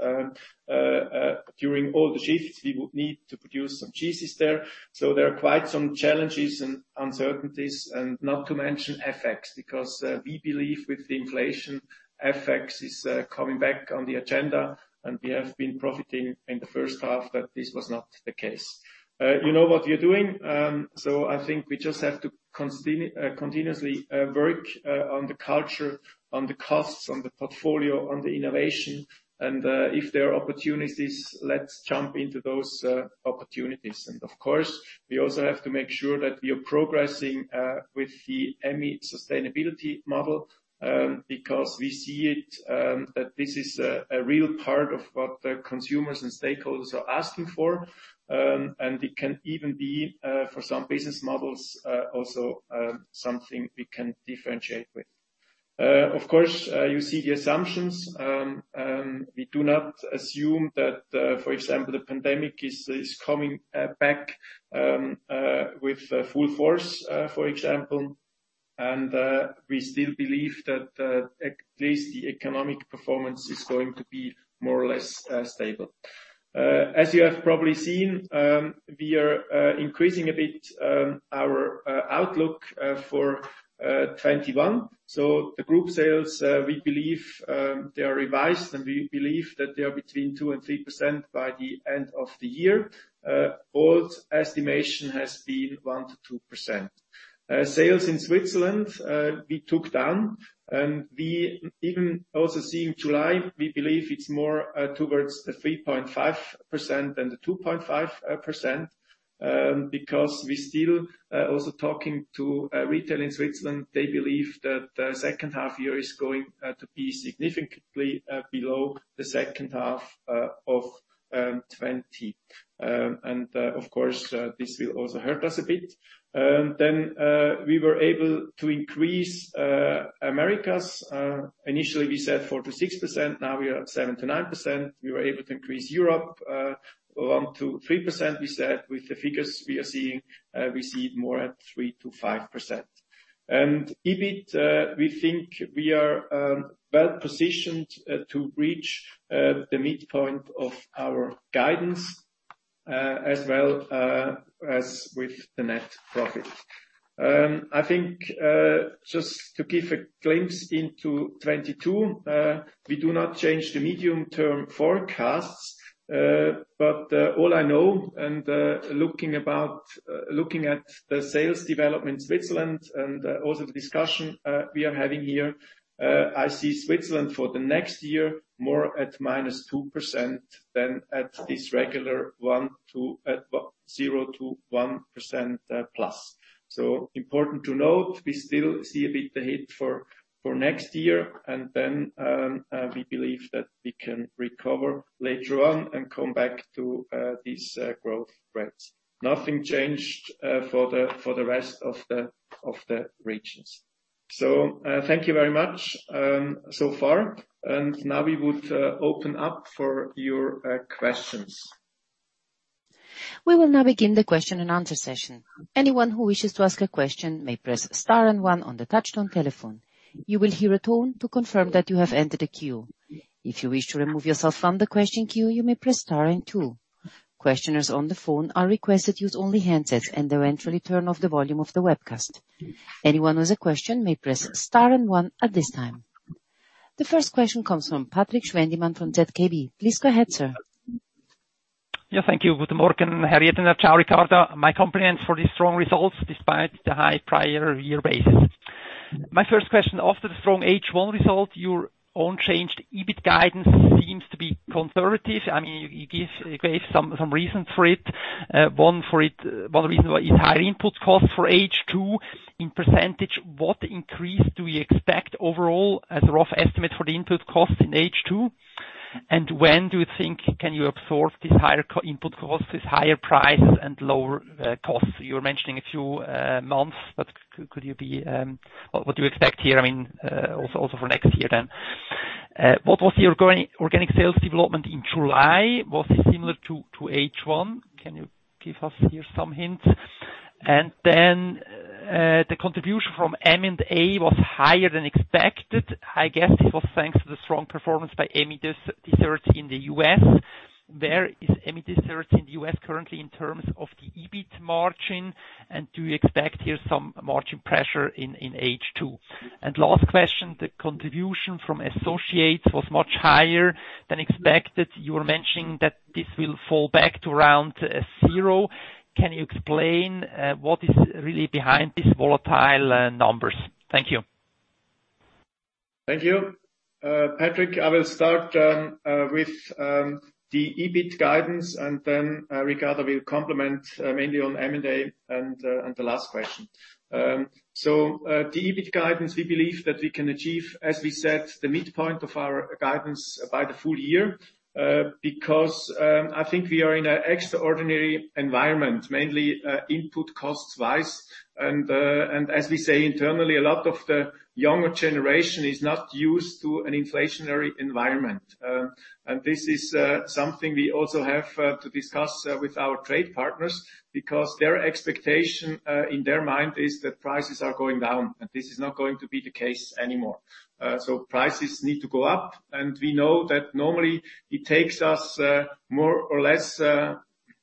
during all the shifts we would need to produce some cheeses there. There are quite some challenges and uncertainties, and not to mention FX, because we believe with the inflation, FX is coming back on the agenda, and we have been profiting in the first half that this was not the case. You know what we are doing, so I think we just have to continuously work on the culture, on the costs, on the portfolio, on the innovation, and if there are opportunities, let's jump into those opportunities. Of course, we also have to make sure that we are progressing with the Emmi sustainability model, because we see it that this is a real part of what the consumers and stakeholders are asking for, and it can even be, for some business models, also something we can differentiate with. Of course, you see the assumptions. We do not assume that, for example, the pandemic is coming back with full force, for example. We still believe that at least the economic performance is going to be more or less stable. As you have probably seen, we are increasing a bit our outlook for 2021. The group sales, we believe they are revised, and we believe that they are between 2% and 3% by the end of the year. Old estimation has been 1%-2%. Sales in Switzerland, we took down. We even also see in July, we believe it's more towards the 3.5% than the 2.5%, because we still also talking to retail in Switzerland, they believe that the second half year is going to be significantly below the second half of 2020. Of course, this will also hurt us a bit. We were able to increase Americas. Initially, we said 4%-6%, now we are at 7%-9%. We were able to increase Europe along to 3%, we said, with the figures we are seeing, we see it more at 3%-5%. EBIT, we think we are well-positioned to reach the midpoint of our guidance, as well as with the net profit. I think, just to give a glimpse into 2022, we do not change the medium-term forecasts. All I know and looking at the sales development in Switzerland and also the discussion we are having here, I see Switzerland for the next year more at -2% than at this regular 0%-1%+. Important to note, we still see a big hit for next year, and then we believe that we can recover later on and come back to these growth rates. Nothing changed for the rest of the regions. Thank you very much so far. Now we would open up for your questions. We will now begin the question-and-answer session. Anyone who wishes to ask a question may press star one on the touch-tone telephone. You will hear a tone to confirm that you have entered a queue. If you wish to remove yourself from the question queue, you may press star two. Questioners on the phone are requested to use only handsets and eventually turn off the volume of the webcast. Anyone with a question may press star one at this time. The first question comes from Patrik Schwendimann from ZKB. Please go ahead, sir. Thank you. Good morning, Riedener and Ricarda. My compliments for these strong results despite the high prior year basis. My first question, after the strong H1 result, your unchanged EBIT guidance seems to be conservative. You gave some reasons for it. One reason is higher input costs for H2. In percentage, what increase do you expect overall as a rough estimate for the input cost in H2? When do you think can you absorb these higher input costs, this higher price and lower costs? You were mentioning a few months, what do you expect here also for next year then? What was your organic sales development in July? Was it similar to H1? Can you give us here some hints? The contribution from M&A was higher than expected. I guess it was thanks to the strong performance by Emmi Dessert USA. Where is Emmi Desserts in the U.S. currently in terms of the EBIT margin, and do you expect here some margin pressure in H2? Last question, the contribution from associates was much higher than expected. You were mentioning that this will fall back to around zero. Can you explain what is really behind these volatile numbers? Thank you. Thank you. Patrik, I will start with the EBIT guidance. Then Ricarda will complement mainly on M&A and the last question. The EBIT guidance, we believe that we can achieve, as we said, the midpoint of our guidance by the full year, because I think we are in an extraordinary environment, mainly input costs-wise. As we say internally, a lot of the younger generation is not used to an inflationary environment. This is something we also have to discuss with our trade partners, because their expectation in their mind is that prices are going down, and this is not going to be the case anymore. Prices need to go up, and we know that normally it takes us more or less,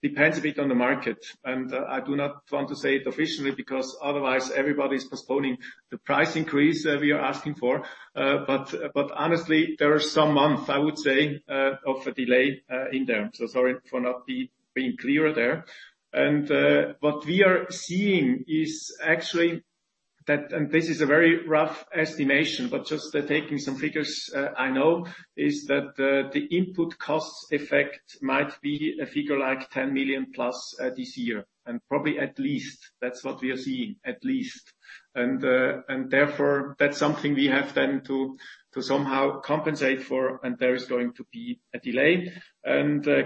depends a bit on the market. I do not want to say it officially because otherwise everybody's postponing the price increase that we are asking for. Honestly, there are some months, I would say, of a delay in there. Sorry for not being clear there. What we are seeing is actually that, and this is a very rough estimation, but just taking some figures I know, is that the input costs effect might be a figure like 10 million+ this year, and probably at least. That's what we are seeing, at least. Therefore, that's something we have then to somehow compensate for, and there is going to be a delay,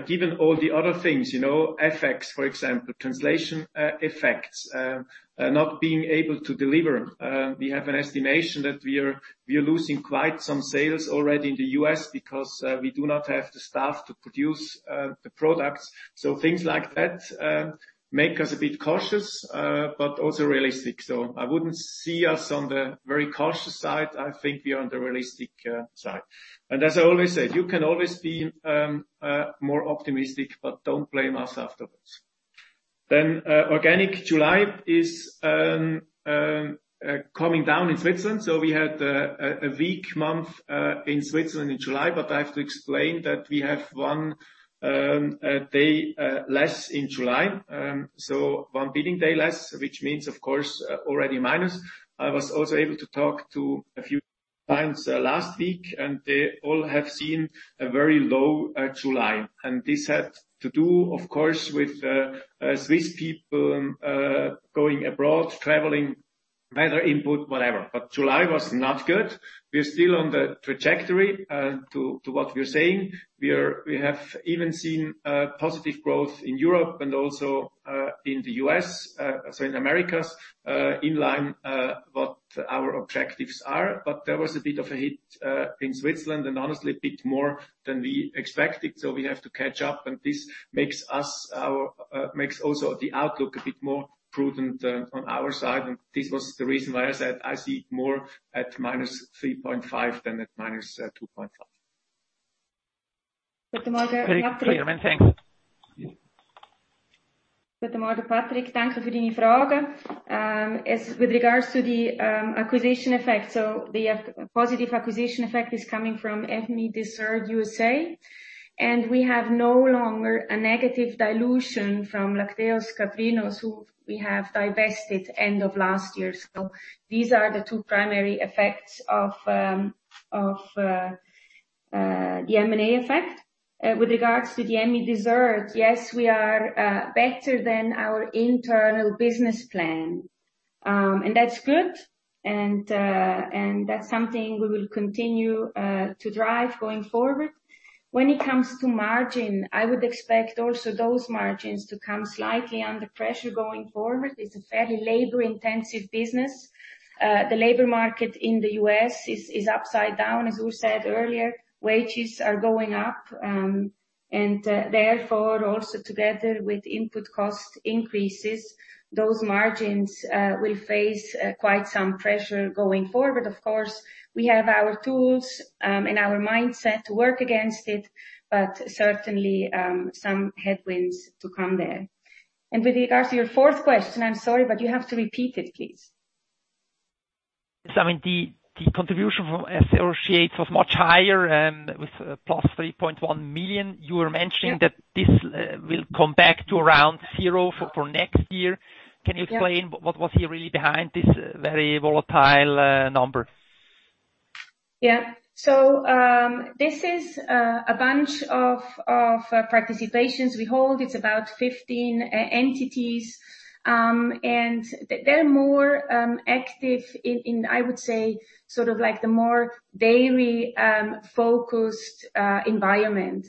given all the other things, FX, for example, translation effects, not being able to deliver. We have an estimation that we are losing quite some sales already in the U.S. because we do not have the staff to produce the products. Things like that make us a bit cautious, but also realistic. I wouldn't see us on the very cautious side. I think we are on the realistic side. As I always say, you can always be more optimistic, but don't blame us afterwards. Organic July is coming down in Switzerland. We had a weak month in Switzerland in July, but I have to explain that we have one day less in July. One billing day less, which means, of course, already minus. I was also able to talk to a few clients last week, and they all have seen a very low July. This had to do, of course, with Swiss people going abroad, traveling, weather input, whatever. July was not good. We are still on the trajectory to what we are saying. We have even seen positive growth in Europe and also in the U.S., sorry, in Americas, in line what our objectives are. There was a bit of a hit in Switzerland, and honestly, a bit more than we expected. We have to catch up, and this makes also the outlook a bit more prudent on our side. This was the reason why I said I see it more at -3.5% than at -2.5%. Good morning, Patrik. Very clear. Thank you. Good morning, Patrik. Thank you for your question. With regards to the acquisition effect, the positive acquisition effect is coming from Emmi Dessert USA, and we have no longer a negative dilution from Lácteos Caprinos, who we have divested end of last year. These are the two primary effects of the M&A effect. With regards to the Emmi Dessert, yes, we are better than our internal business plan. That's good, that's something we will continue to drive going forward. When it comes to margin, I would expect also those margins to come slightly under pressure going forward. It's a fairly labor-intensive business. The labor market in the U.S. is upside down, as we said earlier. Wages are going up, therefore, also together with input cost increases, those margins will face quite some pressure going forward. Of course, we have our tools and our mindset to work against it, but certainly, some headwinds to come there. With regards to your fourth question, I am sorry, but you have to repeat it, please. The contribution from associates was much higher, and it was +3.1 million. You were mentioning that this will come back to around 0 for next year. Yeah. Can you explain, what was really behind this very volatile number? Yeah. This is a bunch of participations we hold. It's about 15 entities, and they're more active in, I would say, the more daily-focused environment.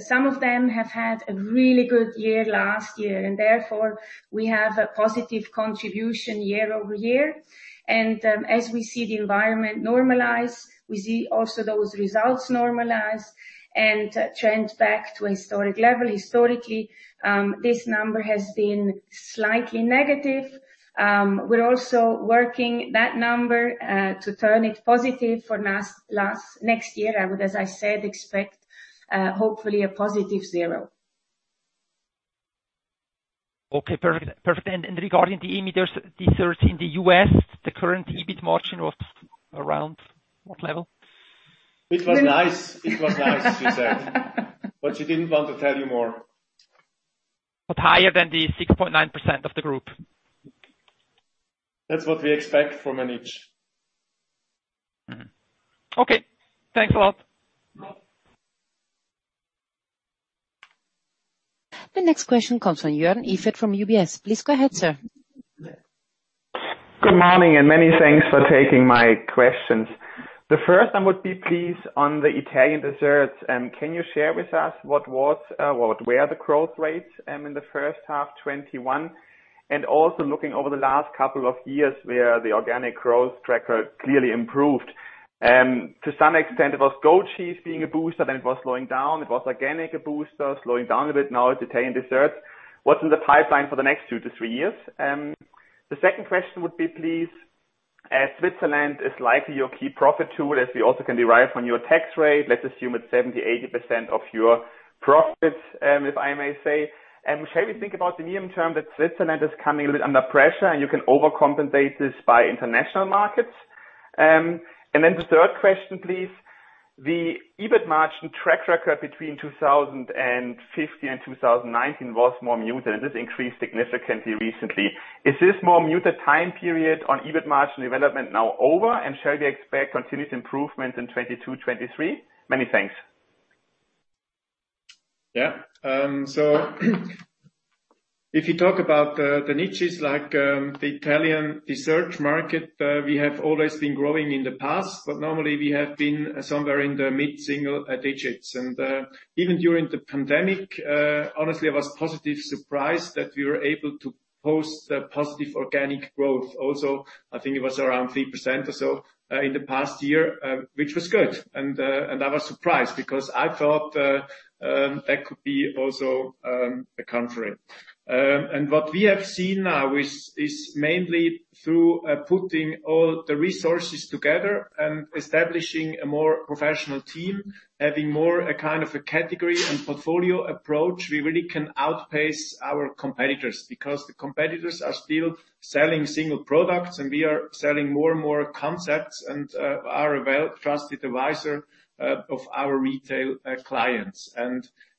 Some of them have had a really good year last year, and therefore, we have a positive contribution year-over-year. As we see the environment normalize, we see also those results normalize and trend back to a historic level. Historically, this number has been slightly negative. We're also working that number to turn it positive for next year. I would, as I said, expect hopefully a positive zero. Okay, perfect. Regarding the Emmi Desserts in the U.S. the current EBIT margin was around what level? It was nice. She said. She didn't want to tell you more. Higher than the 6.9% of the group? That's what we expect from a niche. Okay. Thanks a lot. You're welcome. The next question comes from Joern Iffert from UBS. Please go ahead, sir. Good morning. Many thanks for taking my questions. The first I would be, please, on the Italian desserts. Can you share with us what were the growth rates in the first half 2021? Also looking over the last couple of years where the organic growth tracker clearly improved. To some extent, it was goat cheese being a booster, then it was slowing down. It was organic a booster, slowing down a bit now with Italian dessert. What's in the pipeline for the next 2-3 years? The second question would be, please, Switzerland is likely your key profit tool, as we also can derive from your tax rate. Let's assume it's 70%-80% of your profits, if I may say. Shall we think about the medium term that Switzerland is coming a bit under pressure, and you can overcompensate this by international markets? The third question, please. The EBIT margin track record between 2015 and 2019 was more muted, and it has increased significantly recently. Is this more muted time period on EBIT margin development now over, and shall we expect continued improvement in 2022, 2023? Many thanks. Yeah. If you talk about the niches like the Italian dessert market, we have always been growing in the past, but normally we have been somewhere in the mid-single-digits. Even during the pandemic, honestly, I was positive surprised that we were able to post a positive organic growth also. I think it was around 3% or so in the past year, which was good. I was surprised because I thought that could be also the contrary. What we have seen now is mainly through putting all the resources together and establishing a more professional team, having more a kind of a category and portfolio approach, we really can outpace our competitors because the competitors are still selling single products, and we are selling more and more concepts and are a well-trusted advisor of our retail clients.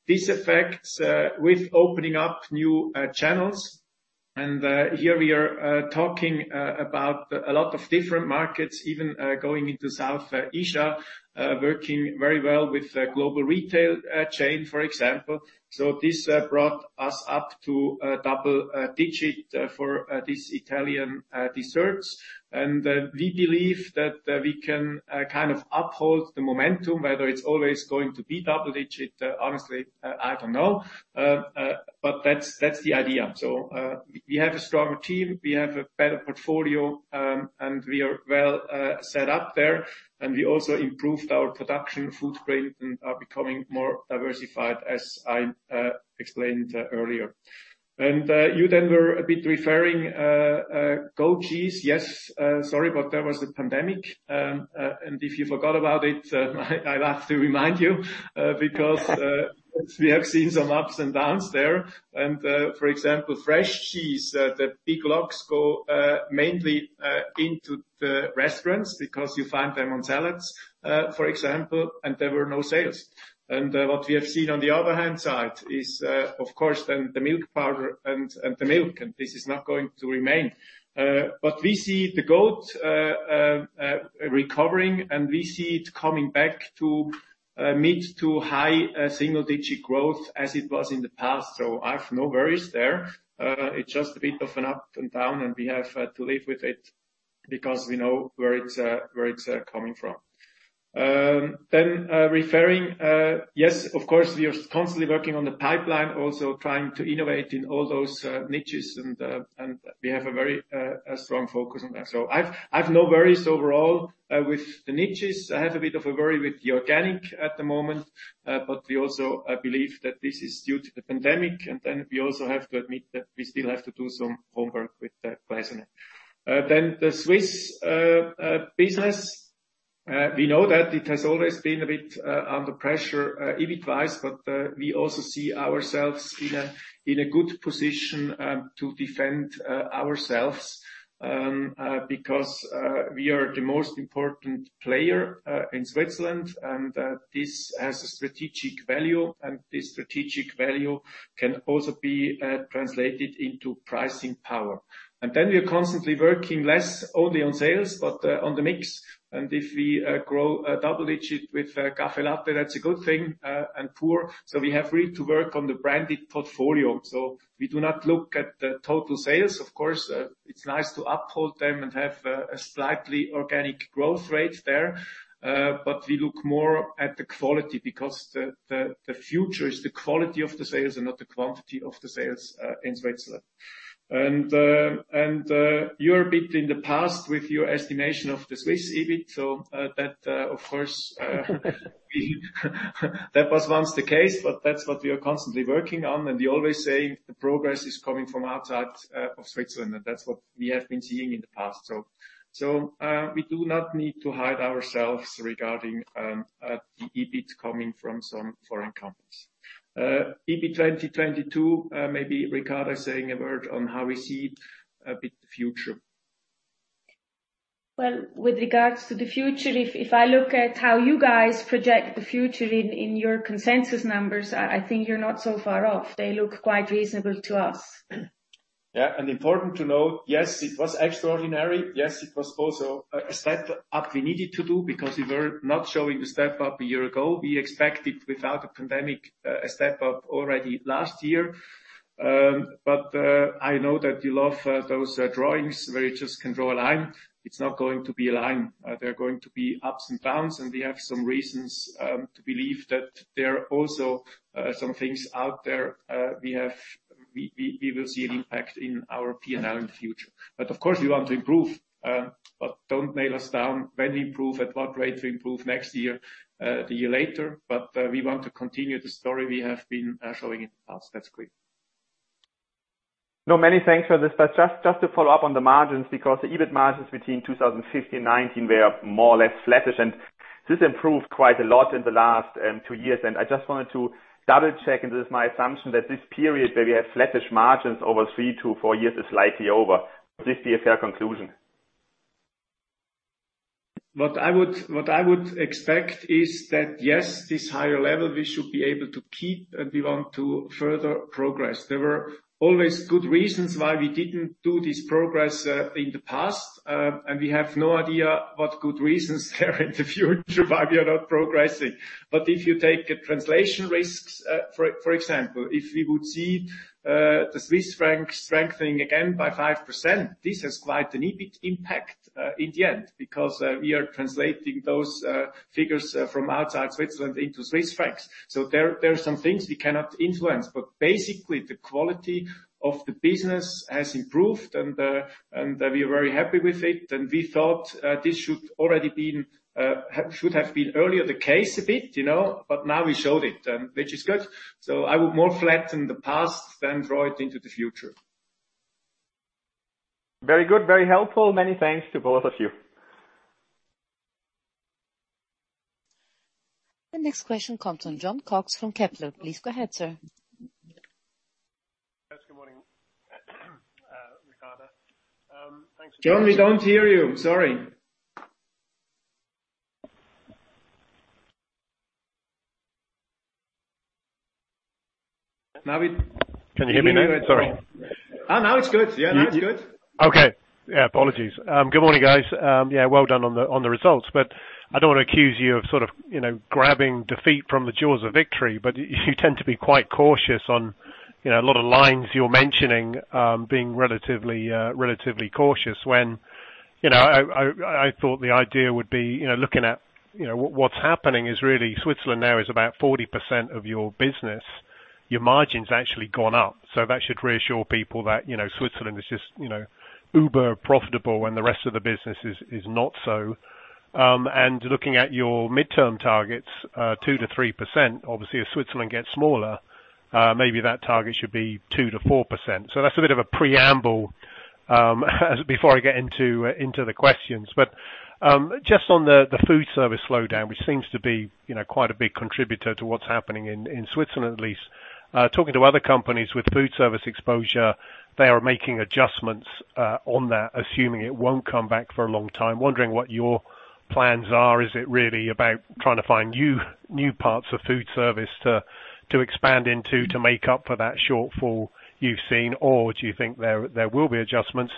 This affects with opening up new channels. Here we are talking about a lot of different markets, even going into Southeast Asia, working very well with global retail chain, for example. This brought us up to double-digit for these Italian desserts. We believe that we can uphold the momentum. Whether it's always going to be double-digit, honestly, I don't know. That's the idea. We have a stronger team, we have a better portfolio, and we are well set up there, and we also improved our production footprint and are becoming more diversified as I explained earlier. You then were a bit referring goat cheese. Yes, sorry, there was a pandemic. If you forgot about it I'll have to remind you because we have seen some ups and downs there. For example, fresh cheese, the big logs go mainly into the restaurants because you find them on salads, for example, there were no sales. What we have seen on the other hand side is, of course, the milk powder and the milk, and this is not going to remain. We see the goat recovering, and we see it coming back to mid to high single-digit growth as it was in the past. I have no worries there. It's just a bit of an up and down, and we have to live with it. Because we know where it's coming from. Referring, yes, of course, we are constantly working on the pipeline, also trying to innovate in all those niches, and we have a very strong focus on that. I have no worries overall with the niches. I have a bit of a worry with the organic at the moment, but we also believe that this is due to the pandemic, and then we also have to admit that we still have to do some homework with that price on it. The Swiss business, we know that it has always been a bit under pressure, EBIT-wise, but we also see ourselves in a good position to defend ourselves, because we are the most important player in Switzerland, and this has a strategic value, and this strategic value can also be translated into pricing power. We are constantly working less only on sales, but on the mix. If we grow double-digit with CAFFÈ LATTE, that's a good thing, and Pur, so we have really to work on the branded portfolio. We do not look at the total sales. Of course, it's nice to uphold them and have a slightly organic growth rate there. We look more at the quality, because the future is the quality of the sales and not the quantity of the sales in Switzerland. You're a bit in the past with your estimation of the Swiss EBIT. That was once the case, but that's what we are constantly working on, and we always say the progress is coming from outside of Switzerland, and that's what we have been seeing in the past. We do not need to hide ourselves regarding the EBIT coming from some foreign companies. EBIT 2022, maybe Ricarda saying a word on how we see a bit the future. Well, with regards to the future, if I look at how you guys project the future in your consensus numbers, I think you're not so far off. They look quite reasonable to us. Yeah. Important to note, yes, it was extraordinary. Yes, it was also a step-up we needed to do because we were not showing the step-up a year ago. We expected, without the pandemic, a step-up already last year. I know that you love those drawings where you just can draw a line. It's not going to be a line. There are going to be ups and downs, and we have some reasons to believe that there are also some things out there we will see an impact in our P&L in the future. Of course, we want to improve, but don't nail us down when we improve, at what rate we improve next year, the year later. We want to continue the story we have been showing in the past. That's clear. Many thanks for this. Just to follow-up on the margins, because the EBIT margins between 2015 and 2019 were more or less flattish, this improved quite a lot in the last two years. I just wanted to double-check, and this is my assumption, that this period where we have flattish margins over 3-4 years is likely over. Would this be a fair conclusion? What I would expect is that, yes, this higher level we should be able to keep, and we want to further progress. There were always good reasons why we didn't do this progress in the past, and we have no idea what good reasons there are in the future why we are not progressing. If you take translation risks, for example, if we would see the Swiss franc strengthening again by 5%, this has quite an EBIT impact in the end, because we are translating those figures from outside Switzerland into Swiss francs. There are some things we cannot influence, but basically, the quality of the business has improved and we are very happy with it, and we thought this should have been earlier the case a bit. Now we showed it, which is good. I would more flatten the past than draw it into the future. Very good. Very helpful. Many thanks to both of you. The next question comes from Jon Cox from Kepler. Please go ahead, sir. Yes. Good morning Ricarda. Thanks- Jon, we don't hear you. Sorry. Can you hear me now? Sorry. Now it's good. Yeah, now it's good. Apologies. Good morning, guys. Well done on the results, I don't want to accuse you of sort of grabbing defeat from the jaws of victory, you tend to be quite cautious on a lot of lines you're mentioning, being relatively cautious when I thought the idea would be looking at what's happening is really Switzerland now is about 40% of your business. Your margin's actually gone up. That should reassure people that Switzerland is just uber profitable and the rest of the business is not so. Looking at your midterm targets, 2% to 3%, obviously as Switzerland gets smaller, maybe that target should be 2%-4%. That's a bit of a preamble before I get into the questions. Just on the food service slowdown, which seems to be quite a big contributor to what's happening in Switzerland at least. Talking to other companies with food service exposure, they are making adjustments on that, assuming it won't come back for a long time. Wondering what your plans are. Is it really about trying to find new parts of food service to expand into to make up for that shortfall you've seen, or do you think there will be adjustments?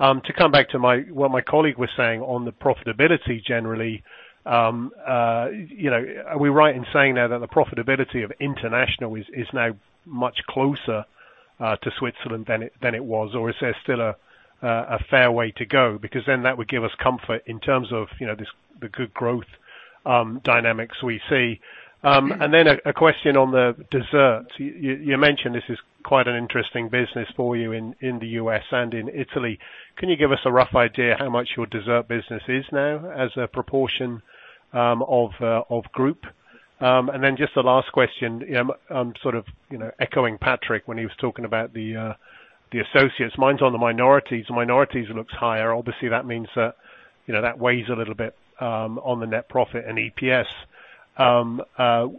To come back to what my colleague was saying on the profitability generally, are we right in saying now that the profitability of international is now much closer to Switzerland than it was, or is there still a fair way to go? That would give us comfort in terms of the good growth dynamics we see. A question on the desserts. You mentioned this is quite an interesting business for you in the U.S. and in Italy. Can you give us a rough idea how much your dessert business is now as a proportion of group? Just the last question, I'm sort of echoing Patrik when he was talking about the associates. Mine's on the minorities. The minorities looks higher. Obviously, that means that weighs a little bit on the net profit and EPS. Do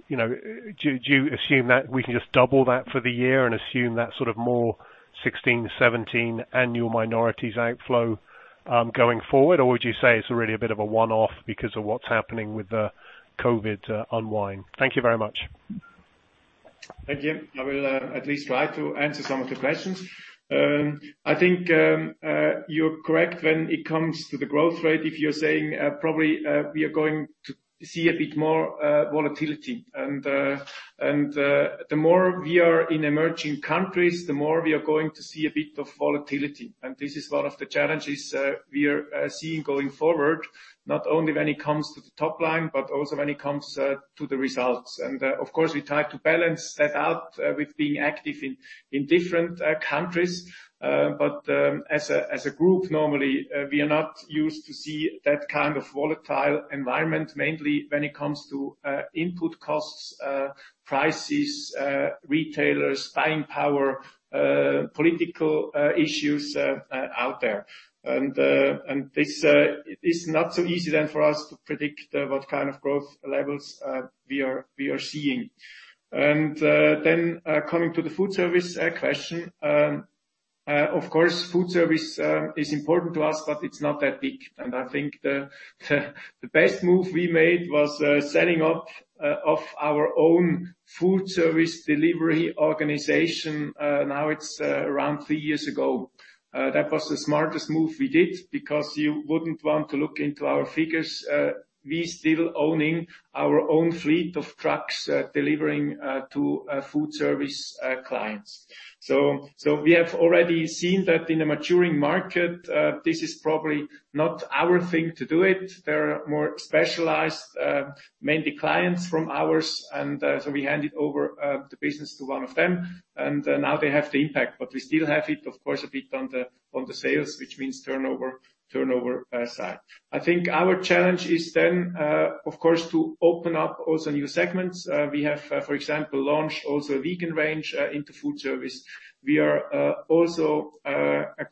you assume that we can just double that for the year and assume that sort of more 2016, 2017 annual minorities outflow, going forward? Would you say it's really a bit of a one-off because of what's happening with the COVID unwind? Thank you very much. Thank you. I will at least try to answer some of the questions. I think you're correct when it comes to the growth rate, if you're saying probably we are going to see a bit more volatility. The more we are in emerging countries, the more we are going to see a bit of volatility. This is one of the challenges we are seeing going forward, not only when it comes to the top line, but also when it comes to the results. Of course, we try to balance that out with being active in different countries. As a group, normally, we are not used to see that kind of volatile environment, mainly when it comes to input costs, prices, retailers, buying power, political issues out there. This is not so easy then for us to predict what kind of growth levels we are seeing. Coming to the food service question. Of course, food service is important to us, but it's not that big. I think the best move we made was setting up of our own food service delivery organization. Now it's around 3 years ago. That was the smartest move we did, because you wouldn't want to look into our figures, we still owning our own fleet of trucks delivering to food service clients. We have already seen that in a maturing market, this is probably not our thing to do it. There are more specialized, mainly clients from ours, and so we handed over the business to one of them, and now they have the impact. We still have it, of course, a bit on the sales, which means turnover side. I think our challenge is then, of course, to open up also new segments. We have, for example, launched also a vegan range into food service. We are also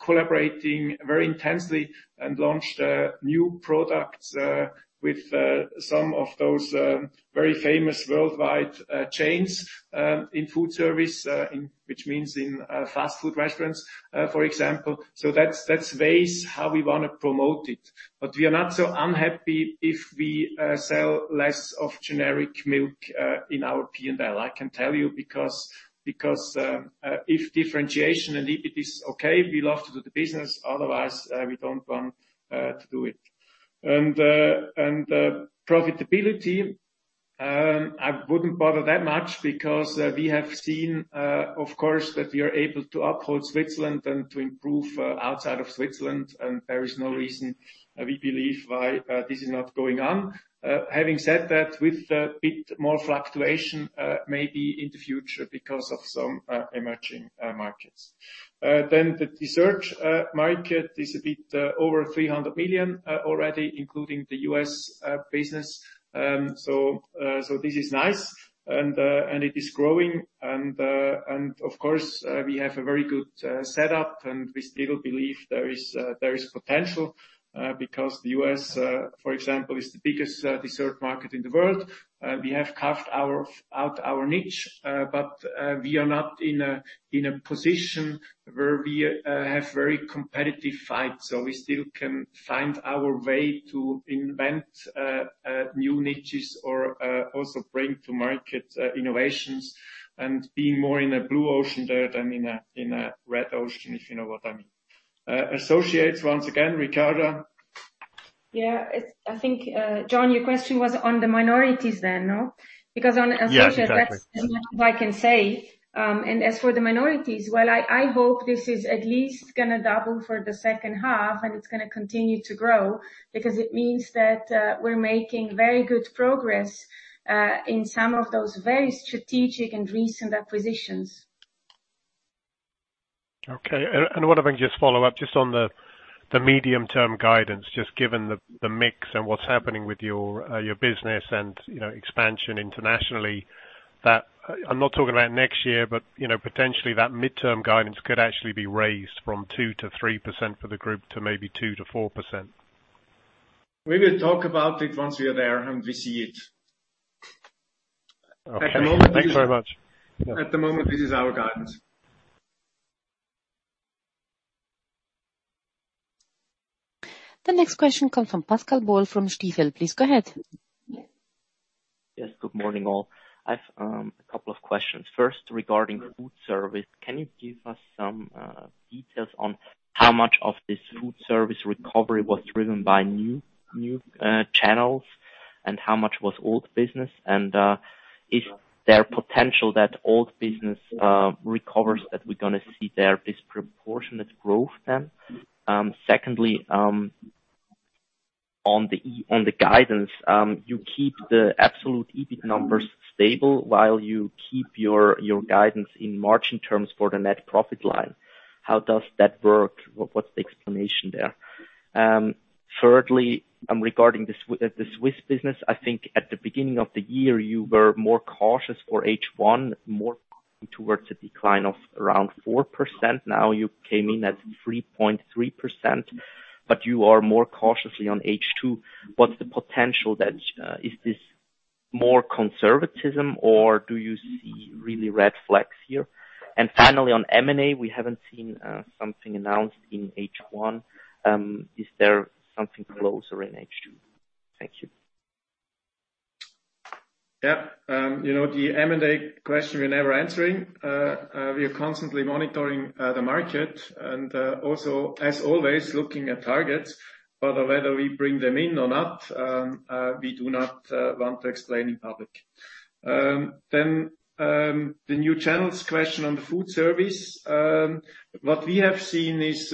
collaborating very intensely and launched new products with some of those very famous worldwide chains in food service, which means in fast food restaurants, for example. That's ways how we want to promote it. We are not so unhappy if we sell less of generic milk in our P&L, I can tell you, because if differentiation and EBIT is okay, we love to do the business, otherwise, we don't want to do it. Profitability, I wouldn't bother that much because we have seen, of course, that we are able to uphold Switzerland and to improve outside of Switzerland, and there is no reason we believe why this is not going on. Having said that, with a bit more fluctuation, maybe in the future because of some emerging markets. The dessert market is a bit over 300 million already, including the U.S. business. This is nice and it is growing. Of course, we have a very good setup and we still believe there is potential because the U.S., for example, is the biggest dessert market in the world. We have carved out our niche, but we are not in a position where we have very competitive fight, so we still can find our way to invent new niches or also bring to market innovations and being more in a blue ocean there than in a red ocean, if you know what I mean. Associates, once again, Ricarda? I think, Jon, your question was on the minorities then, no? Yeah, exactly. That's all I can say. As for the minorities, well, I hope this is at least going to double for the second half and it's going to continue to grow because it means that we're making very good progress, in some of those very strategic and recent acquisitions. Okay. I want to just follow-up just on the medium-term guidance, just given the mix and what's happening with your business and expansion internationally. That I'm not talking about next year, but potentially that midterm guidance could actually be raised from 2%-3% for the group to maybe 2%-4%. We will talk about it once we are there and we see it. Okay. Thanks very much. At the moment, this is our guidance. The next question comes from Pascal Boll from Stifel. Please go ahead. Yes. Good morning, all. I've a couple of questions. First, regarding food service, can you give us some details on how much of this food service recovery was driven by new channels? How much was old business? Is there potential that old business recovers, that we're going to see their disproportionate growth then? Secondly, on the guidance, you keep the absolute EBIT numbers stable while you keep your guidance in margin terms for the net profit line. How does that work? What's the explanation there? Thirdly, regarding the Swiss business, I think at the beginning of the year, you were more cautious for H1, more towards the decline of around 4%. Now you came in at 3.3%, you are more cautiously on H2. What's the potential? Is this more conservatism or do you see really red flags here? Finally on M&A, we haven't seen something announced in H1. Is there something closer in H2? Thank you. The M&A question, we're never answering. We are constantly monitoring the market and also, as always, looking at targets. Whether we bring them in or not, we do not want to explain in public. The new channels question on the food service. What we have seen is,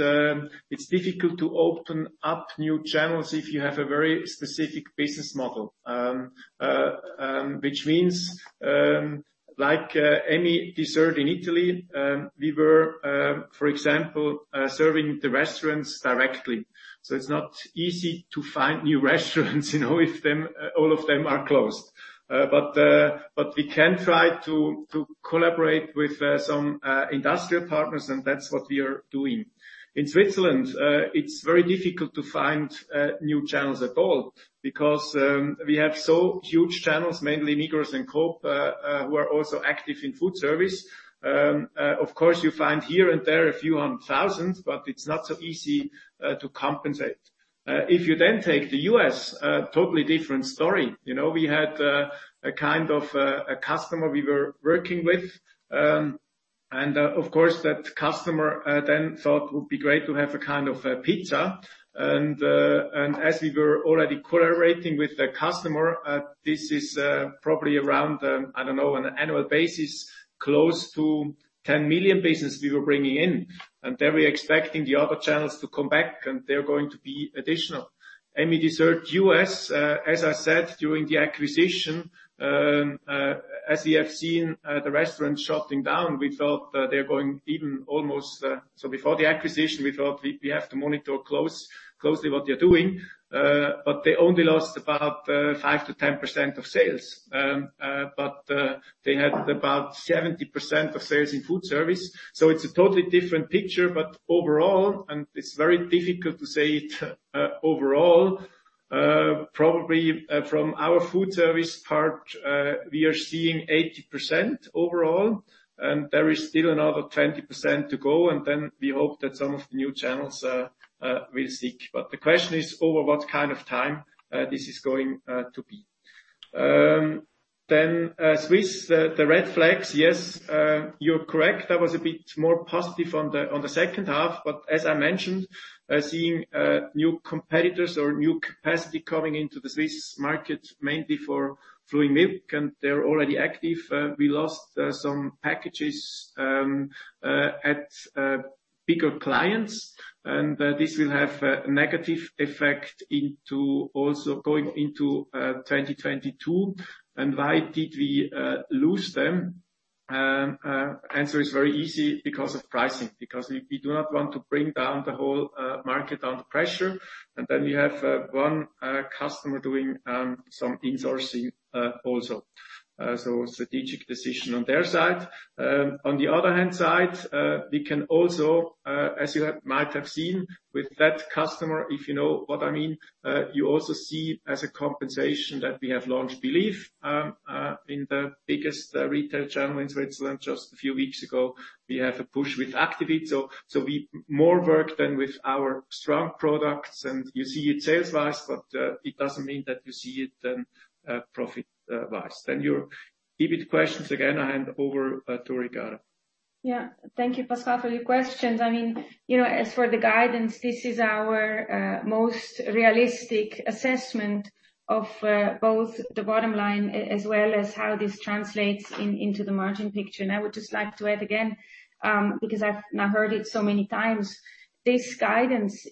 it's difficult to open up new channels if you have a very specific business model. Which means, like any dessert in Italy, we were, for example, serving the restaurants directly. It's not easy to find new restaurants if all of them are closed. We can try to collaborate with some industrial partners, and that's what we are doing. In Switzerland, it's very difficult to find new channels at all because we have so huge channels, mainly Migros and Coop, who are also active in food service. You find here and there a few hundreds thousands, it's not so easy to compensate. If you take the U.S., totally different story. We had a kind of a customer we were working with, of course that customer thought it would be great to have a kind of a pizza. As we were already collaborating with the customer, this is probably around, I don't know, on an annual basis, close to 10 million business we were bringing in. We're expecting the other channels to come back, they're going to be additional. Emmi Dessert USA, as I said during the acquisition, as we have seen the restaurants shutting down. Before the acquisition, we thought we have to monitor closely what they're doing. They only lost about 5%-10% of sales. They had about 70% of sales in food service. It's a totally different picture. Overall, and it's very difficult to say it overall, probably from our food service part, we are seeing 80% overall, and there is still another 20% to go, and then we hope that some of the new channels will stick. The question is over what kind of time this is going to be. Swiss, the red flags, yes, you're correct. I was a bit more positive on the second half, as I mentioned, seeing new competitors or new capacity coming into the Swiss market mainly for fluid milk, and they're already active. We lost some packages at bigger clients, and this will have a negative effect into also going into 2022. Why did we lose them? Answer is very easy, because of pricing. We do not want to bring down the whole market under pressure. We have one customer doing some insourcing also. A strategic decision on their side. On the other hand side, we can also, as you might have seen with that customer, if you know what I mean, you also see as a compensation that we have launched beleaf in the biggest retail channel in Switzerland just a few weeks ago. We have a push with Aktifit. We more work than with our strong products, and you see it sales wise, but it doesn't mean that you see it then profit wise. Your EBIT questions, again, I hand over to Ricarda. Thank you, Pascal, for your questions. As for the guidance, this is our most realistic assessment of both the bottom line as well as how this translates into the margin picture. I would just like to add again, because I've now heard it so many times, this guidance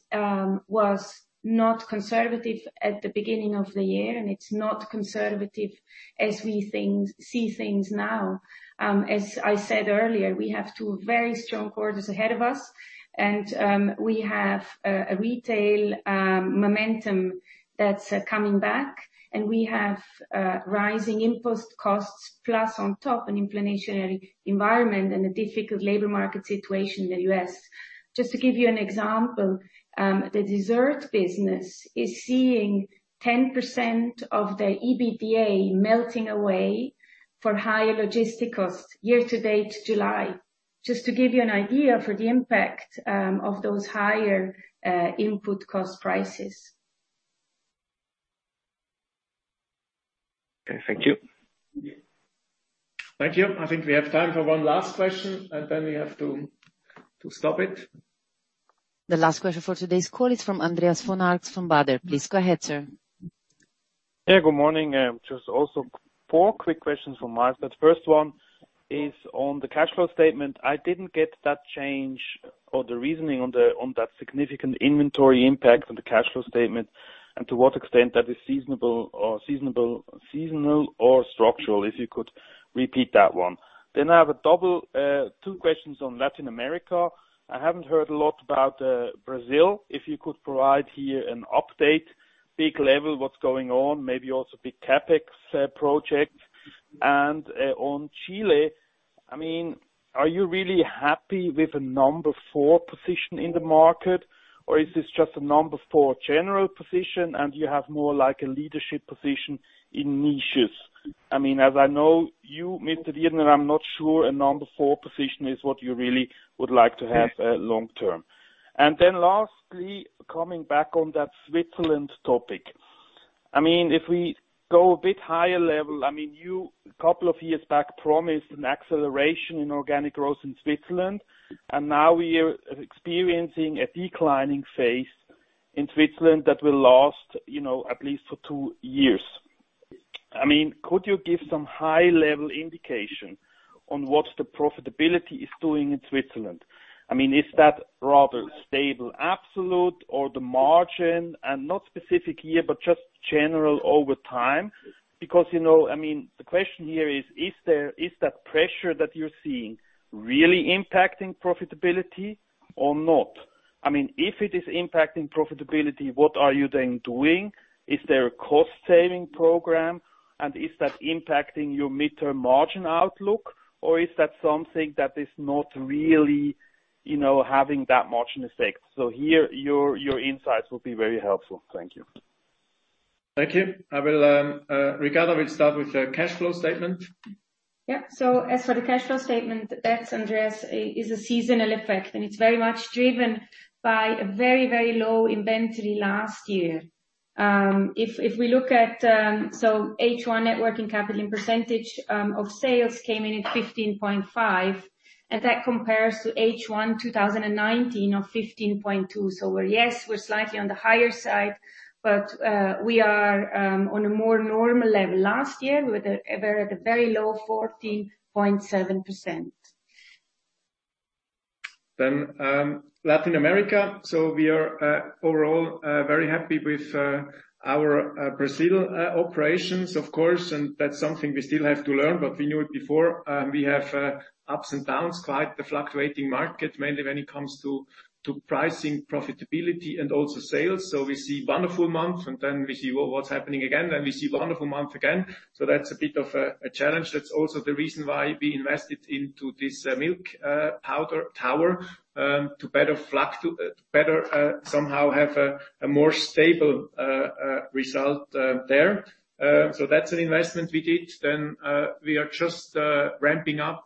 was not conservative at the beginning of the year, and it's not conservative as we see things now. As I said earlier, we have two very strong quarters ahead of us, and we have a retail momentum that's coming back, and we have rising input costs, plus on top an inflationary environment and a difficult labor market situation in the U.S. Just to give you an example, the dessert business is seeing 10% of the EBITDA melting away for higher logistic costs year-to-date July. Just to give you an idea for the impact of those higher input cost prices. Okay, thank you. Thank you. I think we have time for one last question, and then we have to stop it. The last question for today's call is from Andreas von Arx from Baader. Please go ahead, sir. Yeah, good morning. Just also four quick questions from my side. First one is on the cash flow statement. I didn't get that change or the reasoning on that significant inventory impact on the cash flow statement and to what extent that is seasonal or structural, if you could repeat that one. I have two questions on Latin America. I haven't heard a lot about Brazil. If you could provide here an update, big level, what's going on, maybe also big CapEx project. On Chile, are you really happy with a number four position in the market? Is this just a number four general position and you have more like a leadership position in niches? As I know you, Mr. Riedener, I'm not sure a number four position is what you really would like to have long-term. Then lastly, coming back on that Switzerland topic. If we go a bit high level, you a couple of years back promised an acceleration in organic growth in Switzerland, and now we are experiencing a declining phase in Switzerland that will last at least for two years. Could you give some high level indication on what the profitability is doing in Switzerland? Is that rather stable absolute or the margin? Not specific year, but just general over time. Because the question here is that pressure that you're seeing really impacting profitability or not? If it is impacting profitability, what are you then doing? Is there a cost-saving program, and is that impacting your mid-term margin outlook? Is that something that is not really having that much an effect? Here, your insights will be very helpful. Thank you. Thank you. Ricarda will start with the cash flow statement. Yeah. As for the cash flow statement, that, Andreas, is a seasonal effect, and it's very much driven by a very, very low inventory last year. If we look at H1 net working capital percentage of sales came in at 15.5%, that compares to H1 2019 of 15.2%. Yes, we're slightly on the higher side, but we are on a more normal level. Last year, we were at a very low 14.7%. Latin America. We are overall very happy with our Brazil operations, of course, and that's something we still have to learn, but we knew it before. We have ups and downs, quite the fluctuating market, mainly when it comes to pricing, profitability, and also sales. We see wonderful month, and we see what's happening again, we see wonderful month again. That's a bit of a challenge. That's also the reason why we invested into this milk powder tower, to better somehow have a more stable result there. That's an investment we did. We are just ramping up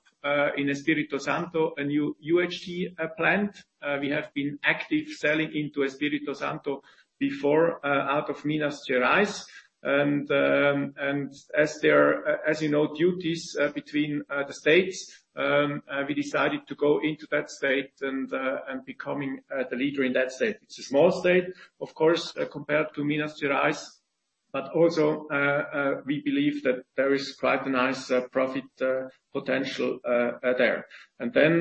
in Espírito Santo, a new UHT plant. We have been active selling into Espírito Santo before out of Minas Gerais. As you know, duties between the states, we decided to go into that state and becoming the leader in that state. It is a small state, of course, compared to Minas Gerais. Also, we believe that there is quite a nice profit potential there. Then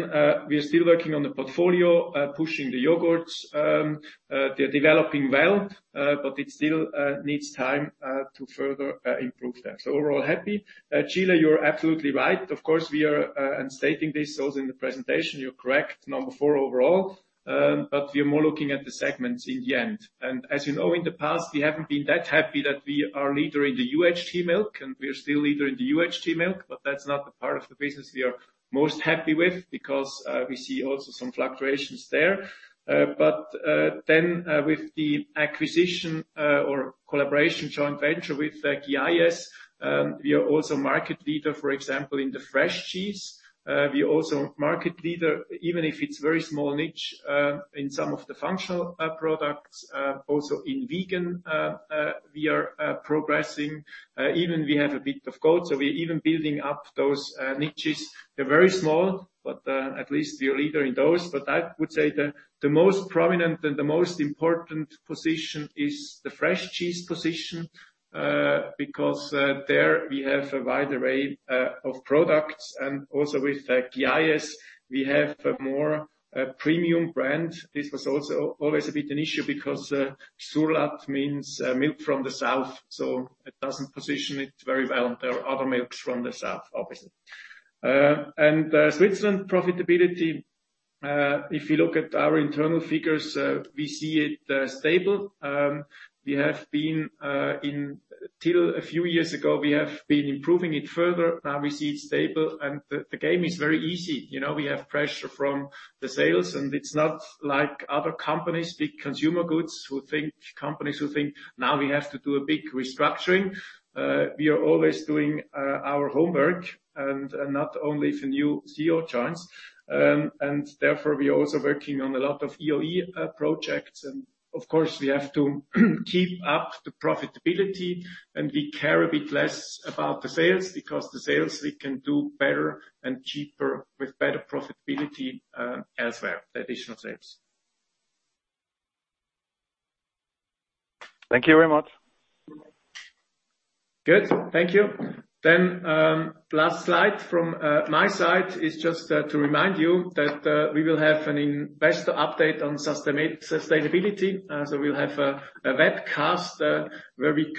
we are still working on the portfolio, pushing the yogurts. They are developing well. It still needs time to further improve that. Overall happy. Chile, you are absolutely right. Of course, we are stating this also in the presentation, you are correct, number four overall. We are more looking at the segments in the end. As you know, in the past, we have not been that happy that we are leader in the UHT milk. We are still leader in the UHT milk, but that is not the part of the business we are most happy with because we see also some fluctuations there. With the acquisition or collaboration joint venture with Quillayes, we are also market leader, for example, in the fresh cheese. We are also market leader, even if it's very small niche, in some of the functional products. In vegan, we are progressing. We have a bit of goat, so we're even building up those niches. They're very small, at least we are leader in those. I would say the most prominent and the most important position is the fresh cheese position, because there we have a wide array of products and also with Quillayes, we have a more premium brand. This was also always a bit an issue because Surlat means milk from the south, so it doesn't position it very well. There are other milks from the south, obviously. Switzerland profitability, if you look at our internal figures, we see it stable. Till a few years ago, we have been improving it further. Now we see it stable and the game is very easy. We have pressure from the sales. It's not like other companies, big consumer goods companies who think now we have to do a big restructuring. We are always doing our homework, not only for new CEO chance. Therefore, we are also working on a lot of EOE projects. Of course, we have to keep up the profitability, and we care a bit less about the sales because the sales we can do better and cheaper with better profitability elsewhere, the additional sales. Thank you very much. Good. Thank you. Last slide from my side is just to remind you that we will have an investor update on sustainability. We'll have a webcast where we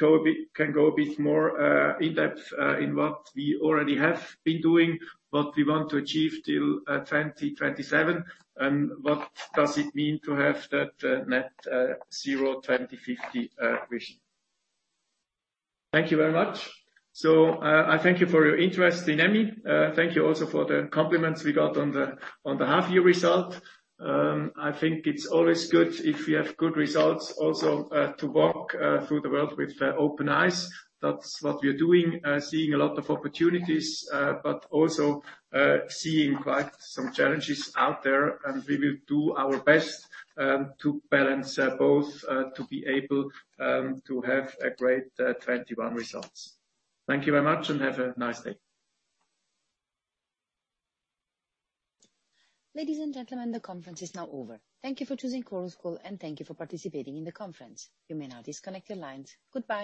can go a bit more in-depth in what we already have been doing, what we want to achieve till 2027, and what does it mean to have that net zero 2050 vision. Thank you very much. I thank you for your interest in Emmi. Thank you also for the compliments we got on the half-year result. I think it's always good if we have good results also to walk through the world with open eyes. That's what we are doing, seeing a lot of opportunities but also seeing quite some challenges out there, and we will do our best to balance both to be able to have a great 2021 results. Thank you very much, and have a nice day. Ladies and gentlemen, the conference is now over. Thank you for choosing Chorus Call, and thank you for participating in the conference. You may now disconnect your lines. Goodbye.